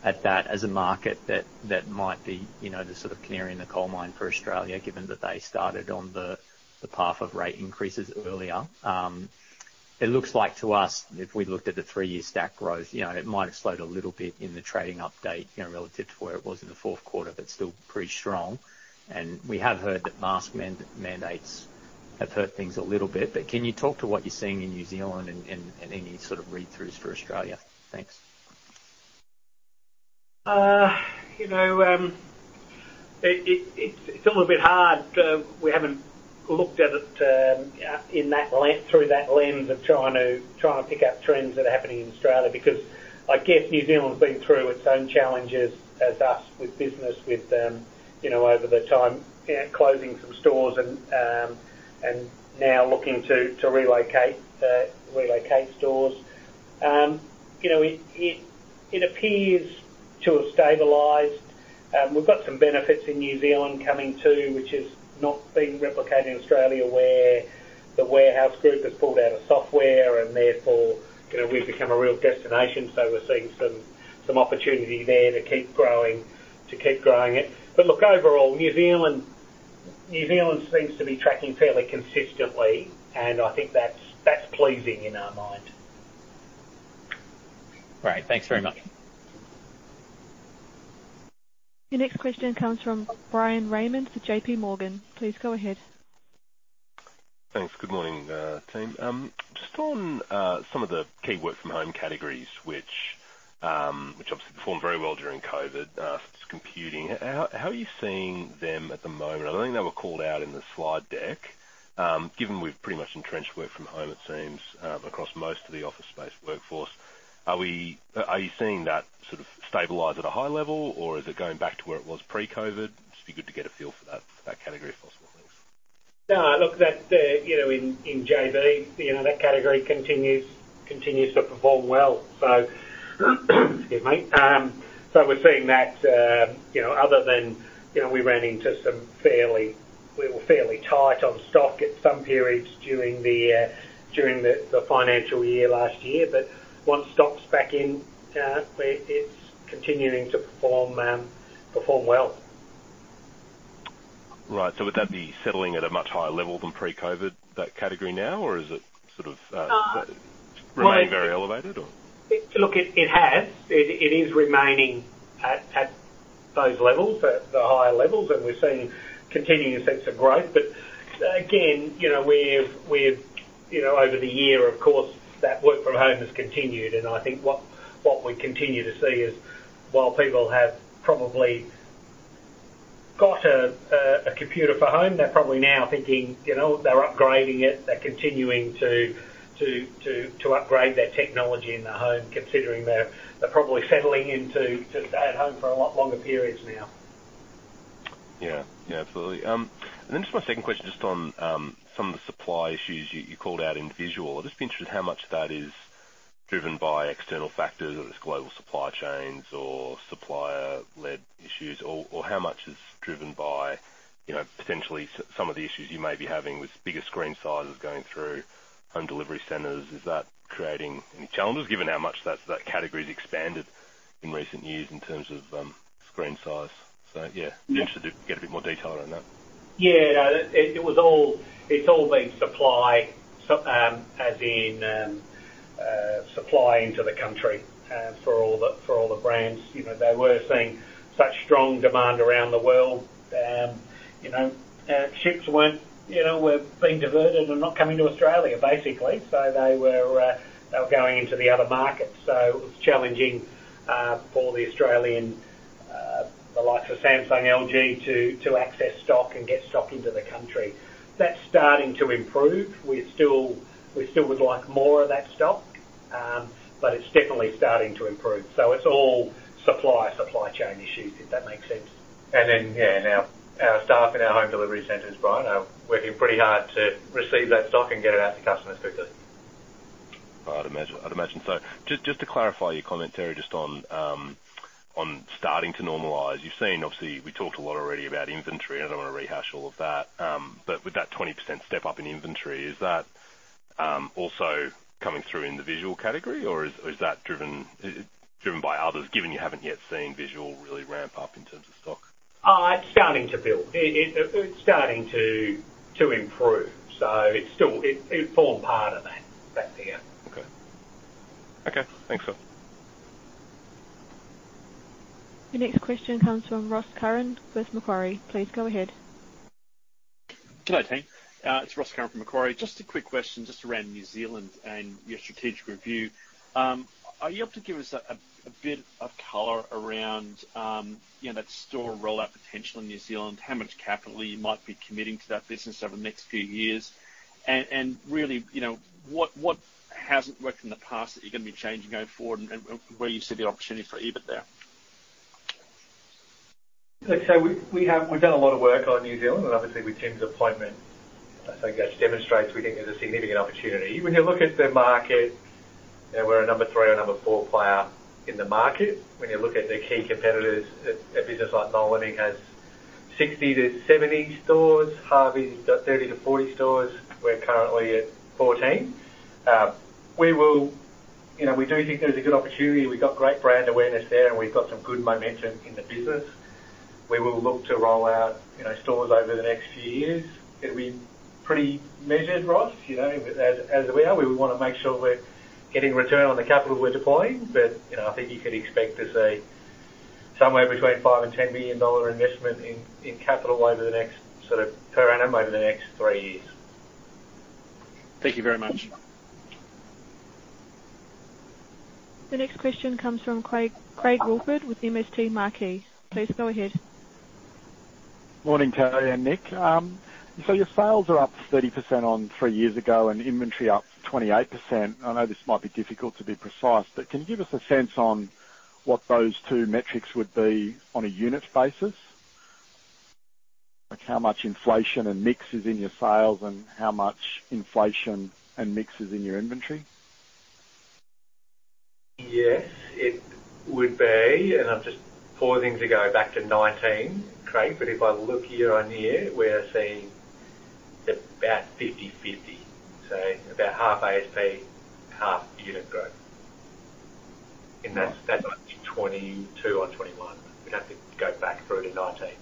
at that as a market that might be, you know, the sort of canary in the coal mine for Australia, given that they started on the path of rate increases earlier. It looks like to us, if we looked at the three-year stack growth, you know, it might have slowed a little bit in the trading update, you know, relative to where it was in the Q4, but still pretty strong. We have heard that mask mandates have hurt things a little bit, but can you talk to what you're seeing in New Zealand and any sort of read-throughs for Australia? Thanks. You know, it's a little bit hard. We haven't looked at it through that lens of trying to pick out trends that are happening in Australia because I guess New Zealand's been through its own challenges as has with business, you know, over the time, you know, closing some stores and now looking to relocate stores. You know, it appears to have stabilized. We've got some benefits in New Zealand coming too, which has not been replicated in Australia where The Warehouse Group has pulled out of whiteware and therefore, you know, we've become a real destination. We're seeing some opportunity there to keep growing it. Look, overall, New Zealand seems to be tracking fairly consistently, and I think that's pleasing in our mind. Great. Thanks very much. Your next question comes from Bryan Raymond with JPMorgan. Please go ahead. Thanks. Good morning, team. Just on some of the key work from home categories which obviously performed very well during COVID, computing. How are you seeing them at the moment? I don't think they were called out in the slide deck. Given we've pretty much entrenched work from home, it seems, across most of the office space workforce, are you seeing that sort of stabilize at a high level, or is it going back to where it was pre-COVID? Just be good to get a feel for that, for that category if possible. Thanks. Yeah. Look, that, you know, in JB, you know, that category continues to perform well. Excuse me. We're seeing that, you know, other than, you know, we were fairly tight on stock at some periods during the financial year last year. Once stock's back in, it's continuing to perform well. Right. Would that be settling at a much higher level than pre-COVID, that category now, or is it sort of? Uh, well- remain very elevated, or? Look, it has. It is remaining at those levels, at the higher levels, and we're seeing continuing sense of growth. Again, you know, we've, you know, over the year, of course, that work from home has continued. I think what we continue to see is, while people have probably got a computer for home, they're probably now thinking, you know, they're upgrading it. They're continuing to upgrade their technology in the home, considering they're probably settling into to stay at home for a lot longer periods now. Yeah. Yeah, absolutely. And then just my second question, just on some of the supply issues you called out in visual. I'd just be interested how much that is driven by external factors, whether it's global supply chains or supplier-led issues, or how much is driven by, you know, potentially some of the issues you may be having with bigger screen sizes going through home delivery centers. Is that creating any challenges, given how much that category's expanded in recent years in terms of screen size? Yeah, be interested to get a bit more detail around that. No, it was all. It's all been supply, as in, supply into the country, for all the brands. You know, they were seeing such strong demand around the world. You know, ships were being diverted and not coming to Australia basically. They were going into the other markets. It was challenging for the Australian, the likes of Samsung, LG to access stock and get stock into the country. That's starting to improve. We still would like more of that stock, but it's definitely starting to improve. It's all supply chain issues, if that makes sense. Yeah, our staff in our home delivery centers, Brian, are working pretty hard to receive that stock and get it out to customers quickly. I'd imagine. Just to clarify your comment, Terry, just on starting to normalize. You've seen, obviously we talked a lot already about inventory. I don't wanna rehash all of that. But with that 20% step up in inventory, is that also coming through in the visual category, or is that driven by others, given you haven't yet seen visual really ramp up in terms of stock? It's starting to build. It's starting to improve. It's still, it formed part of that figure. Okay. Okay, thanks. Your next question comes from Ross Curran with Macquarie. Please go ahead. G'day, team. It's Ross Curran from Macquarie. Just a quick question just around New Zealand and your strategic review. Are you able to give us a bit of color around, you know, that store rollout potential in New Zealand? How much capital you might be committing to that business over the next few years? And really, you know, what hasn't worked in the past that you're gonna be changing going forward, and where you see the opportunity for EBIT there? Look, so we've done a lot of work on New Zealand and obviously with Tim's appointment, I think that just demonstrates we think there's a significant opportunity. When you look at the market, you know, we're a number three or number four player in the market. When you look at the key competitors, a business like Noel Leeming has 60-70 stores. Harvey Norman got 30-40 stores. We're currently at 14. You know, we do think there's a good opportunity. We've got great brand awareness there, and we've got some good momentum in the business. We will look to roll out, you know, stores over the next few years. It'll be pretty measured, Ross, you know, as we are. We wanna make sure we're getting return on the capital we're deploying. You know, I think you could expect to see somewhere between 5 million and 10 million dollar investment in capital over the next sort of per annum over the next three years. Thank you very much. The next question comes from Craig Woolford with MST Marquee. Please go ahead. Morning, Terry and Nick. Your sales are up 30% on three years ago and inventory up 28%. I know this might be difficult to be precise, but can you give us a sense on what those two metrics would be on a unit basis? Like how much inflation and mix is in your sales and how much inflation and mix is in your inventory? Yes, it would be. I'm just pulling things to go back to 2019, Craig, but if I look year-on-year, we're seeing about 50/50. About half ASP, half unit growth. In that might be 2022 or 2021. We'd have to go back through to 2019.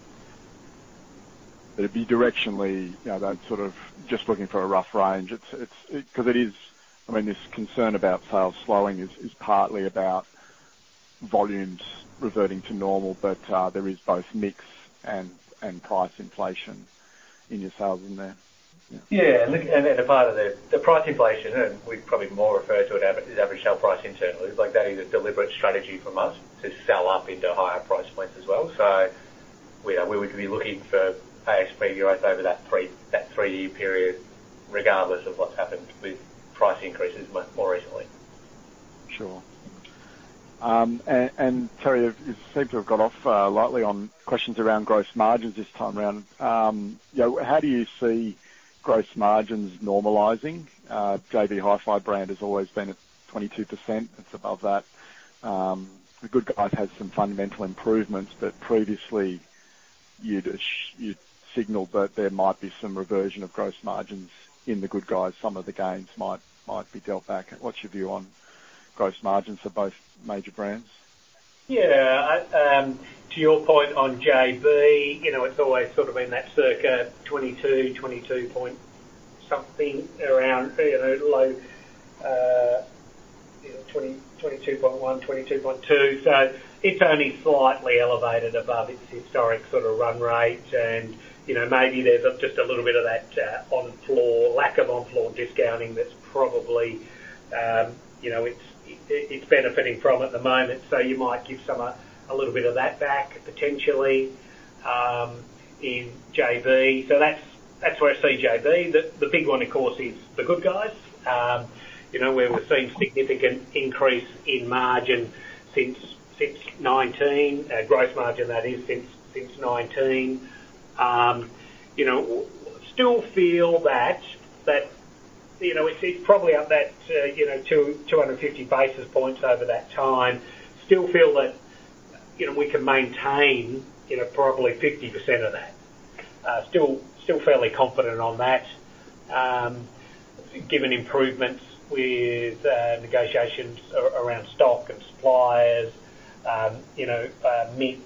It'd be directionally, you know, that sort of just looking for a rough range. It's 'cause it is. I mean, this concern about sales slowing is partly about volumes reverting to normal, but there is both mix and price inflation in your sales in there. Yeah. Yeah. Look, then a part of the price inflation, and we probably refer to it more as average sale price internally, but that is a deliberate strategy from us to sell up into higher price points as well. We would be looking for ASP growth over that three-year period, regardless of what's happened with price increases more recently. Sure. And Terry, you seem to have got off lightly on questions around gross margins this time around. You know, how do you see gross margins normalizing? JB Hi-Fi brand has always been at 22%. It's above that. The Good Guys has some fundamental improvements, but previously you'd signaled that there might be some reversion of gross margins in The Good Guys. Some of the gains might be dealt back. What's your view on gross margins for both major brands? Yeah. I to your point on JB, you know, it's always sort of been that circa 22 point something around, you know, low 20, 22.1, 22.2. It's only slightly elevated above its historic sort of run rate. You know, maybe there's just a little bit of that on-floor lack of on-floor discounting that's probably, you know, it's benefiting from at the moment. You might give some a little bit of that back potentially in JB. That's where I see JB. The big one of course is The Good Guys. You know, where we're seeing significant increase in margin since 2019, gross margin that is since 2019. You know, still feel that it's probably up that 250 basis points over that time. Still feel that you know, we can maintain probably 50% of that. Still fairly confident on that, given improvements with negotiations around stock and suppliers, you know, mix.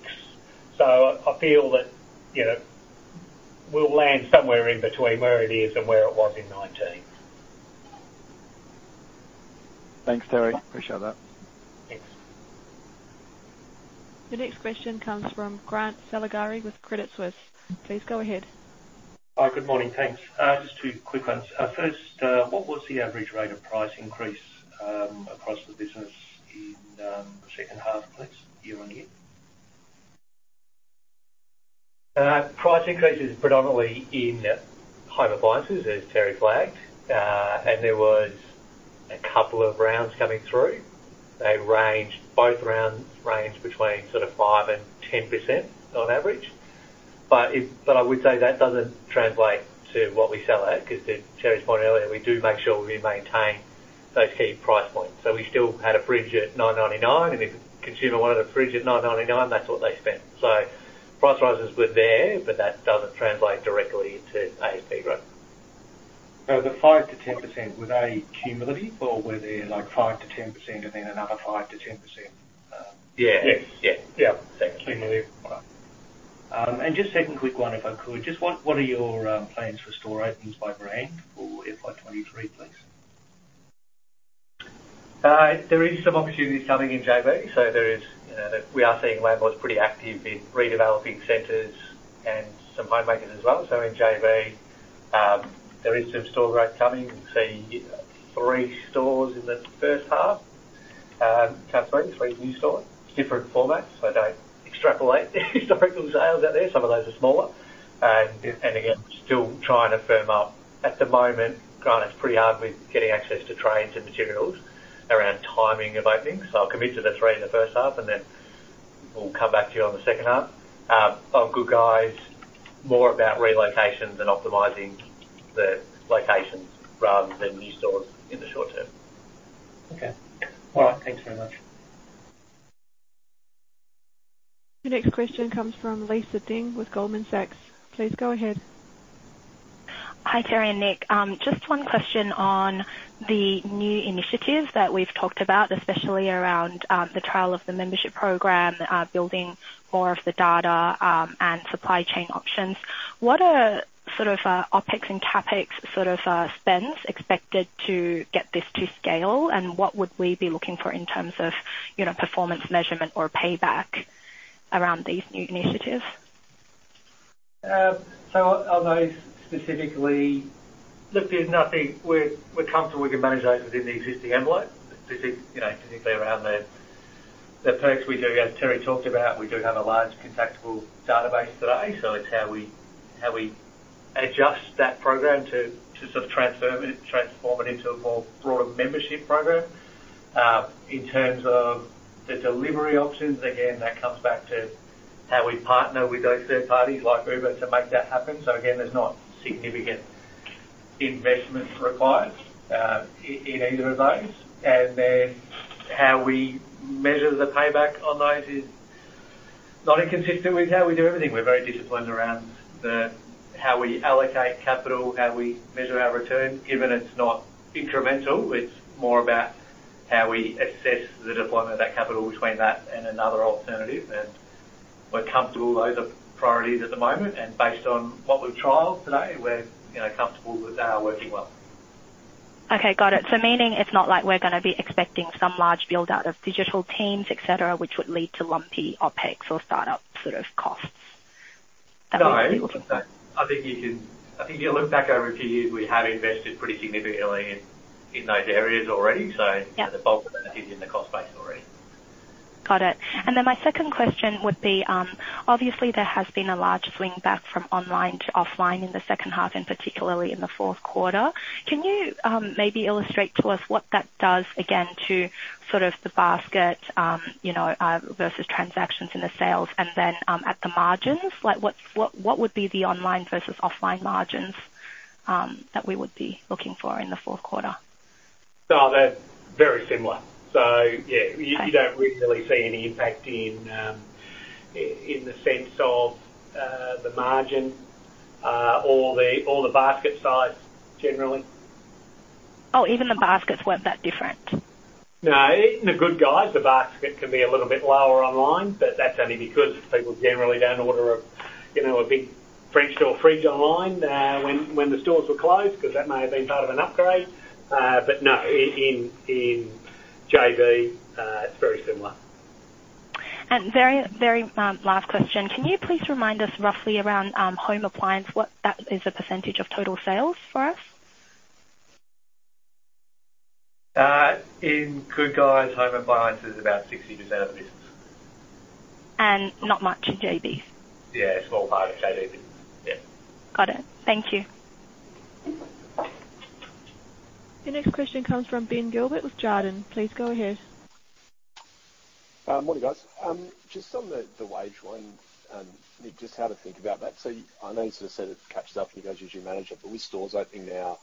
I feel that you know, we'll land somewhere in between where it is and where it was in 2019. Thanks, Terry. Appreciate that. Thanks. The next question comes from Grant Saligari with Credit Suisse. Please go ahead. Hi. Good morning. Thanks. Just two quick ones. First, what was the average rate of price increase across the business in the H2, please, year-on-year? Price increase is predominantly in home appliances, as Terry flagged. There was a couple of rounds coming through. They ranged, both rounds ranged between sort of 5%-10% on average. I would say that doesn't translate to what we sell at, 'cause to Terry's point earlier, we do make sure we maintain those key price points. We still had a fridge at 999, and if a consumer wanted a fridge at 999, that's what they spent. Price rises were there, but that doesn't translate directly into ASP growth. The 5%-10%, were they cumulative or were they like 5%-10% and then another 5%-10%? Yeah. Yes. Yeah. Yeah. Cumulative. Just second quick one, if I could. What are your plans for store openings by brand for FY23, please? There is some opportunities coming in JB. You know, we are seeing landlords pretty active in redeveloping centers and some Homemaker centres as well. In JB, there is some store growth coming. We see three stores in the H1, three new stores. Different formats, so don't extrapolate historical sales out there. Some of those are smaller. And again, still trying to firm up. At the moment, Grant, it's pretty hard with getting access to trades and materials around timing of openings. I'll commit to the three in the H1, and then we'll come back to you on the H2. At Good Guys, more about relocations and optimizing the locations rather than new stores in the short term. Okay. All right. Thanks very much. The next question comes from Lisa Deng with Goldman Sachs. Please go ahead. Hi, Terry and Nick. Just one question on the new initiatives that we've talked about, especially around the trial of the membership program, building more of the data, and supply chain options. What are sort of OpEx and CapEx sort of spends expected to get this to scale? And what would we be looking for in terms of, you know, performance measurement or payback around these new initiatives? We're comfortable we can manage those within the existing envelope. Specifically, you know, specifically around the perks we do, as Terry talked about, we do have a large contactable database today, so it's how we adjust that program to sort of transform it into a more broader membership program. In terms of the delivery options, again, that comes back to how we partner with those third parties like Uber to make that happen. Again, there's not significant investment required in either of those. Then how we measure the payback on those is not inconsistent with how we do everything. We're very disciplined around how we allocate capital, how we measure our return, given it's not incremental. It's more about how we assess the deployment of that capital between that and another alternative. We're comfortable those are priorities at the moment, and based on what we've trialed to date, we're, you know, comfortable that they are working well. Okay, got it. Meaning it's not like we're gonna be expecting some large build-out of digital teams, et cetera, which would lead to lumpy OpEx or start-up sort of costs? No. That would be. I think if you look back over a few years, we have invested pretty significantly in those areas already. Yeah. The bulk of that is in the cost base already. Got it. My second question would be, obviously there has been a large swing back from online to offline in the H2 and particularly in the Q4. Can you maybe illustrate to us what that does again to sort of the basket, you know, versus transactions in the sales and then at the margins? Like what would be the online versus offline margins that we would be looking for in the Q4? They're very similar. Yeah. Okay. You don't really see any impact in the sense of the margin or the basket size generally. Oh, even the baskets weren't that different? No. In The Good Guys, the basket can be a little bit lower online, but that's only because people generally don't order a, you know, a big French door fridge online, when the stores were closed, 'cause that may have been part of an upgrade. No, in JB, it's very similar. Very last question. Can you please remind us roughly around Home Appliance, what that is a percentage of total sales for us? In The Good Guys, Home Appliance is about 60% of the business. Not much in JB? Yeah, a small part of JB. Yeah. Got it. Thank you. Your next question comes from Ben Gilbert with Jarden. Please go ahead. Morning, guys. Just on the wage one, Nick, just how to think about that. I know you sort of said it catches up and you guys usually manage it, but with stores opening now,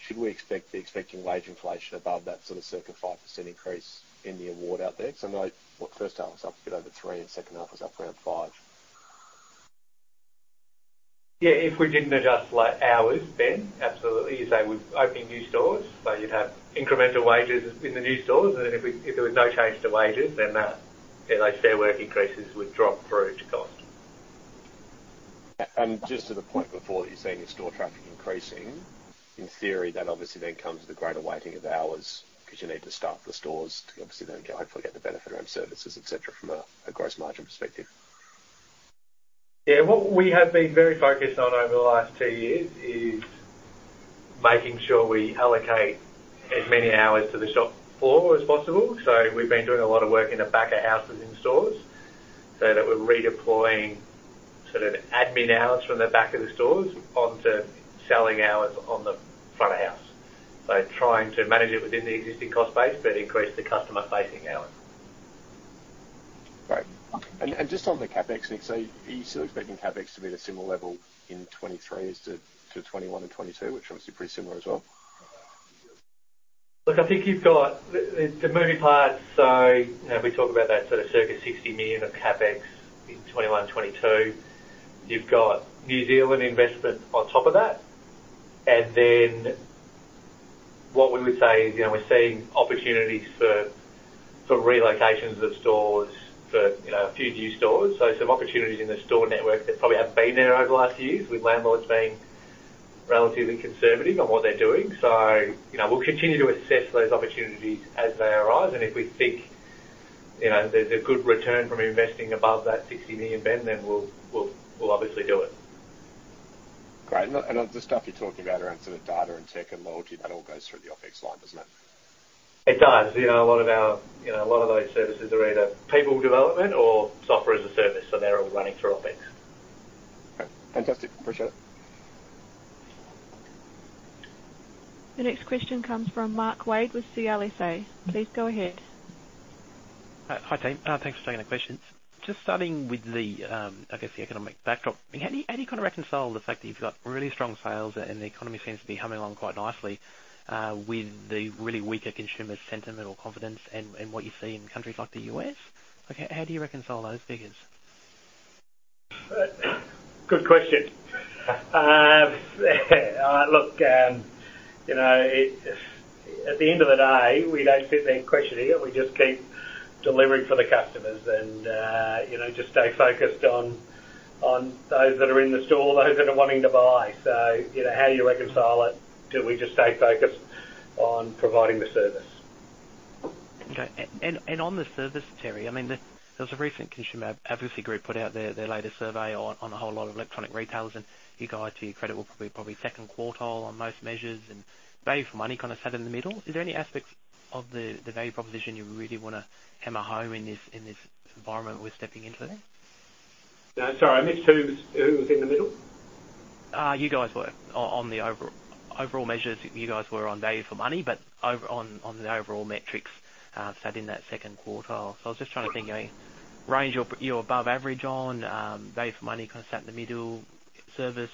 should we be expecting wage inflation above that sort of circa 5% increase in the award out there? 'Cause I know, what, the H1 was up a bit over 3% and H2 was up around 5%. Yeah, if we didn't adjust like hours, Ben, absolutely. You say we've opened new stores, so you'd have incremental wages in the new stores. If there was no change to wages, then that, you know, Fair Work increases would drop through to cost. Just to the point before that you're seeing store traffic increasing, in theory that obviously then comes with a greater weighting of hours 'cause you need to staff the stores to obviously then go hopefully get the benefit around services, et cetera, from a gross margin perspective. Yeah. What we have been very focused on over the last two years is making sure we allocate as many hours to the shop floor as possible. We've been doing a lot of work in the back of houses in stores so that we're redeploying sort of admin hours from the back of the stores onto selling hours on the front of house. Trying to manage it within the existing cost base, but increase the customer-facing hours. Great. Just on the CapEx, Nick, so are you still expecting CapEx to be at a similar level in 2023 as to 2021 and 2022, which was obviously pretty similar as well? Look, I think you've got the moving parts. You know, we talk about that sort of circa 60 million of CapEx in 2021 and 2022. You've got New Zealand investment on top of that. What we would say is, you know, we're seeing opportunities for relocations of stores for a few new stores. Some opportunities in the store network that probably haven't been there over the last few years with landlords being relatively conservative on what they're doing. You know, we'll continue to assess those opportunities as they arise, and if we think, you know, there's a good return from investing above that 60 million, Ben, then we'll obviously do it. Great. The stuff you're talking about around sort of data and tech and loyalty, that all goes through the OpEx line, doesn't it? It does. You know, a lot of those services are either people development or software as a service, so they're all running through OpEx. Okay. Fantastic. Appreciate it. The next question comes from Mark Wade with CLSA. Please go ahead. Hi, hi team. Thanks for taking the questions. Just starting with the, I guess the economic backdrop. How do you kind of reconcile the fact that you've got really strong sales and the economy seems to be humming along quite nicely, with the really weaker consumer sentiment or confidence and what you see in countries like the US? Like how do you reconcile those figures? Good question. Look, you know, at the end of the day, we don't sit there and question it. We just keep delivering for the customers and, you know, just stay focused on those that are in the store, those that are wanting to buy. You know, how do you reconcile it? Do we just stay focused on providing the service? Okay. On the service, Terry, I mean, there was a recent consumer advocacy group put out their latest survey on a whole lot of electronics retailers, and you guys, to your credit, were probably second quartile on most measures, and value for money kind of sat in the middle. Is there any aspects of the value proposition you really wanna hammer home in this environment we're stepping into then? No. Sorry, I missed who was in the middle? On the overall measures, you guys were on value for money, but on the overall metrics sat in that second quartile. I was just trying to think. Okay. range you're above average on, value for money kinda sat in the middle, service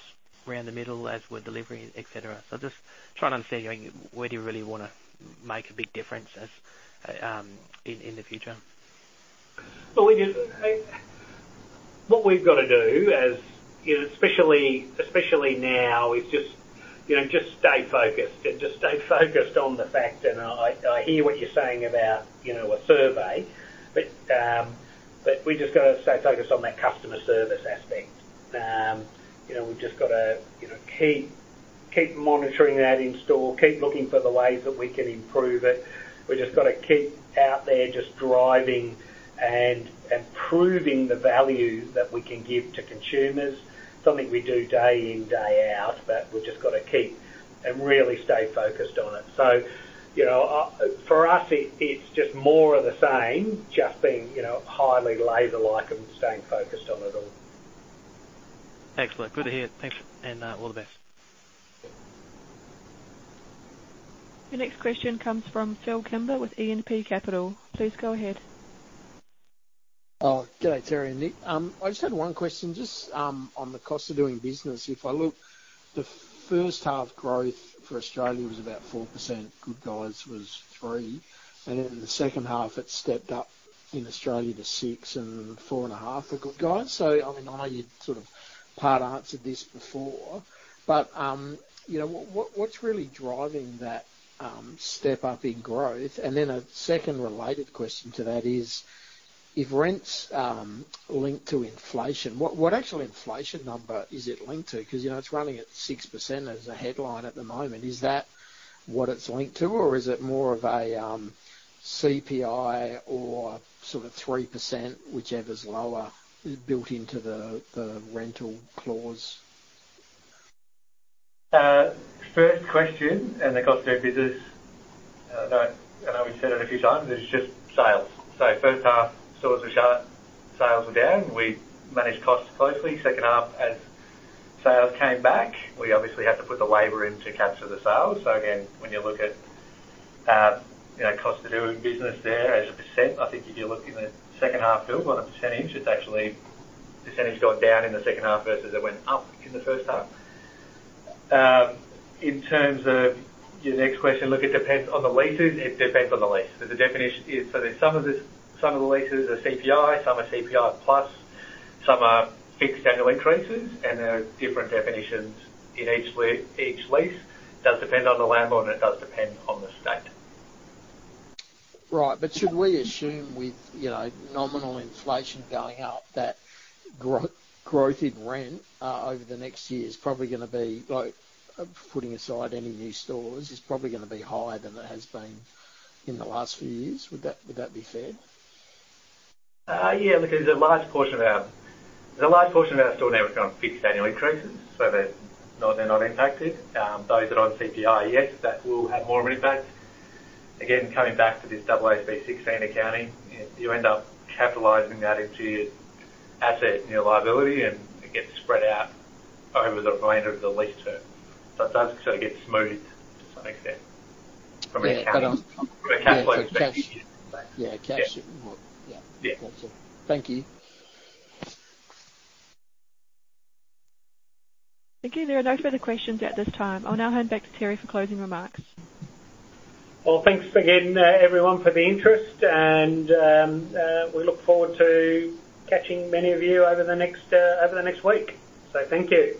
around the middle as with delivery, et cetera. Just trying to understand, going where do you really wanna make a big difference as in the future? What we've gotta do, you know, especially now is just, you know, just stay focused on the fact. I hear what you're saying about, you know, a survey, but we just gotta stay focused on that customer service aspect. You know, we've just gotta keep monitoring that in store, keep looking for the ways that we can improve it. We've just gotta keep out there just driving and improving the value that we can give to consumers, something we do day in, day out, but we've just gotta keep and really stay focused on it. You know, for us it's just more of the same, just being, you know, highly laser-like and staying focused on it all. Excellent. Good to hear. Thanks and all the best. Your next question comes from Phillip Kimber with E&P Capital. Please go ahead. Oh, g'day, Terry and Nick. I just had one question just on the cost of doing business. If I look, the H1 growth for Australia was about 4%, The Good Guys was 3%, and in the H2 it stepped up in Australia to 6% and 4.5% for The Good Guys. I mean, I know you sort of partly answered this before, but you know, what's really driving that step up in growth? And then a second related question to that is, if rents link to inflation, what actual inflation number is it linked to? 'Cause, you know, it's running at 6% as a headline at the moment. Is that what it's linked to or is it more of a CPI or sort of 3%, whichever's lower, built into the rental clause? First question on the cost of doing business, I know we've said it a few times, is just sales. H1, stores were shut, sales were down. We managed costs closely. H2, as sales came back, we obviously had to put the labor in to capture the sales. When you look at you know, cost of doing business there as a percent, I think if you look in the H2, Phil, on a percentage, it's actually percentage got down in the H2 versus it went up in the H1. In terms of your next question, look, it depends on the leases. It depends on the lease. The definition is, there's some of this, some of the leases are CPI, some are CPI plus, some are fixed annual increases, and there are different definitions in each lease. Does depend on the landlord, and it does depend on the state. Right. Should we assume with, you know, nominal inflation going up, that growth in rent over the next year is probably gonna be like, putting aside any new stores, is probably gonna be higher than it has been in the last few years? Would that be fair? Yeah, look, there's a large portion of our store network on fixed annual increases, so they're not impacted. Those that are on CPI, yes, that will have more of an impact. Again, coming back to this AASB 16 accounting, you end up capitalizing that into your asset and your liability, and it gets spread out over the remainder of the lease term. It does sort of get smoothed to some extent from an accounting- Yeah, but. From a capital expenditure perspective. Yeah. Cash. Yeah. Yeah. Gotcha. Yeah. Thank you. Thank you. There are no further questions at this time. I'll now hand back to Terry for closing remarks. Well, thanks again, everyone for the interest, and we look forward to catching many of you over the next week. Thank you.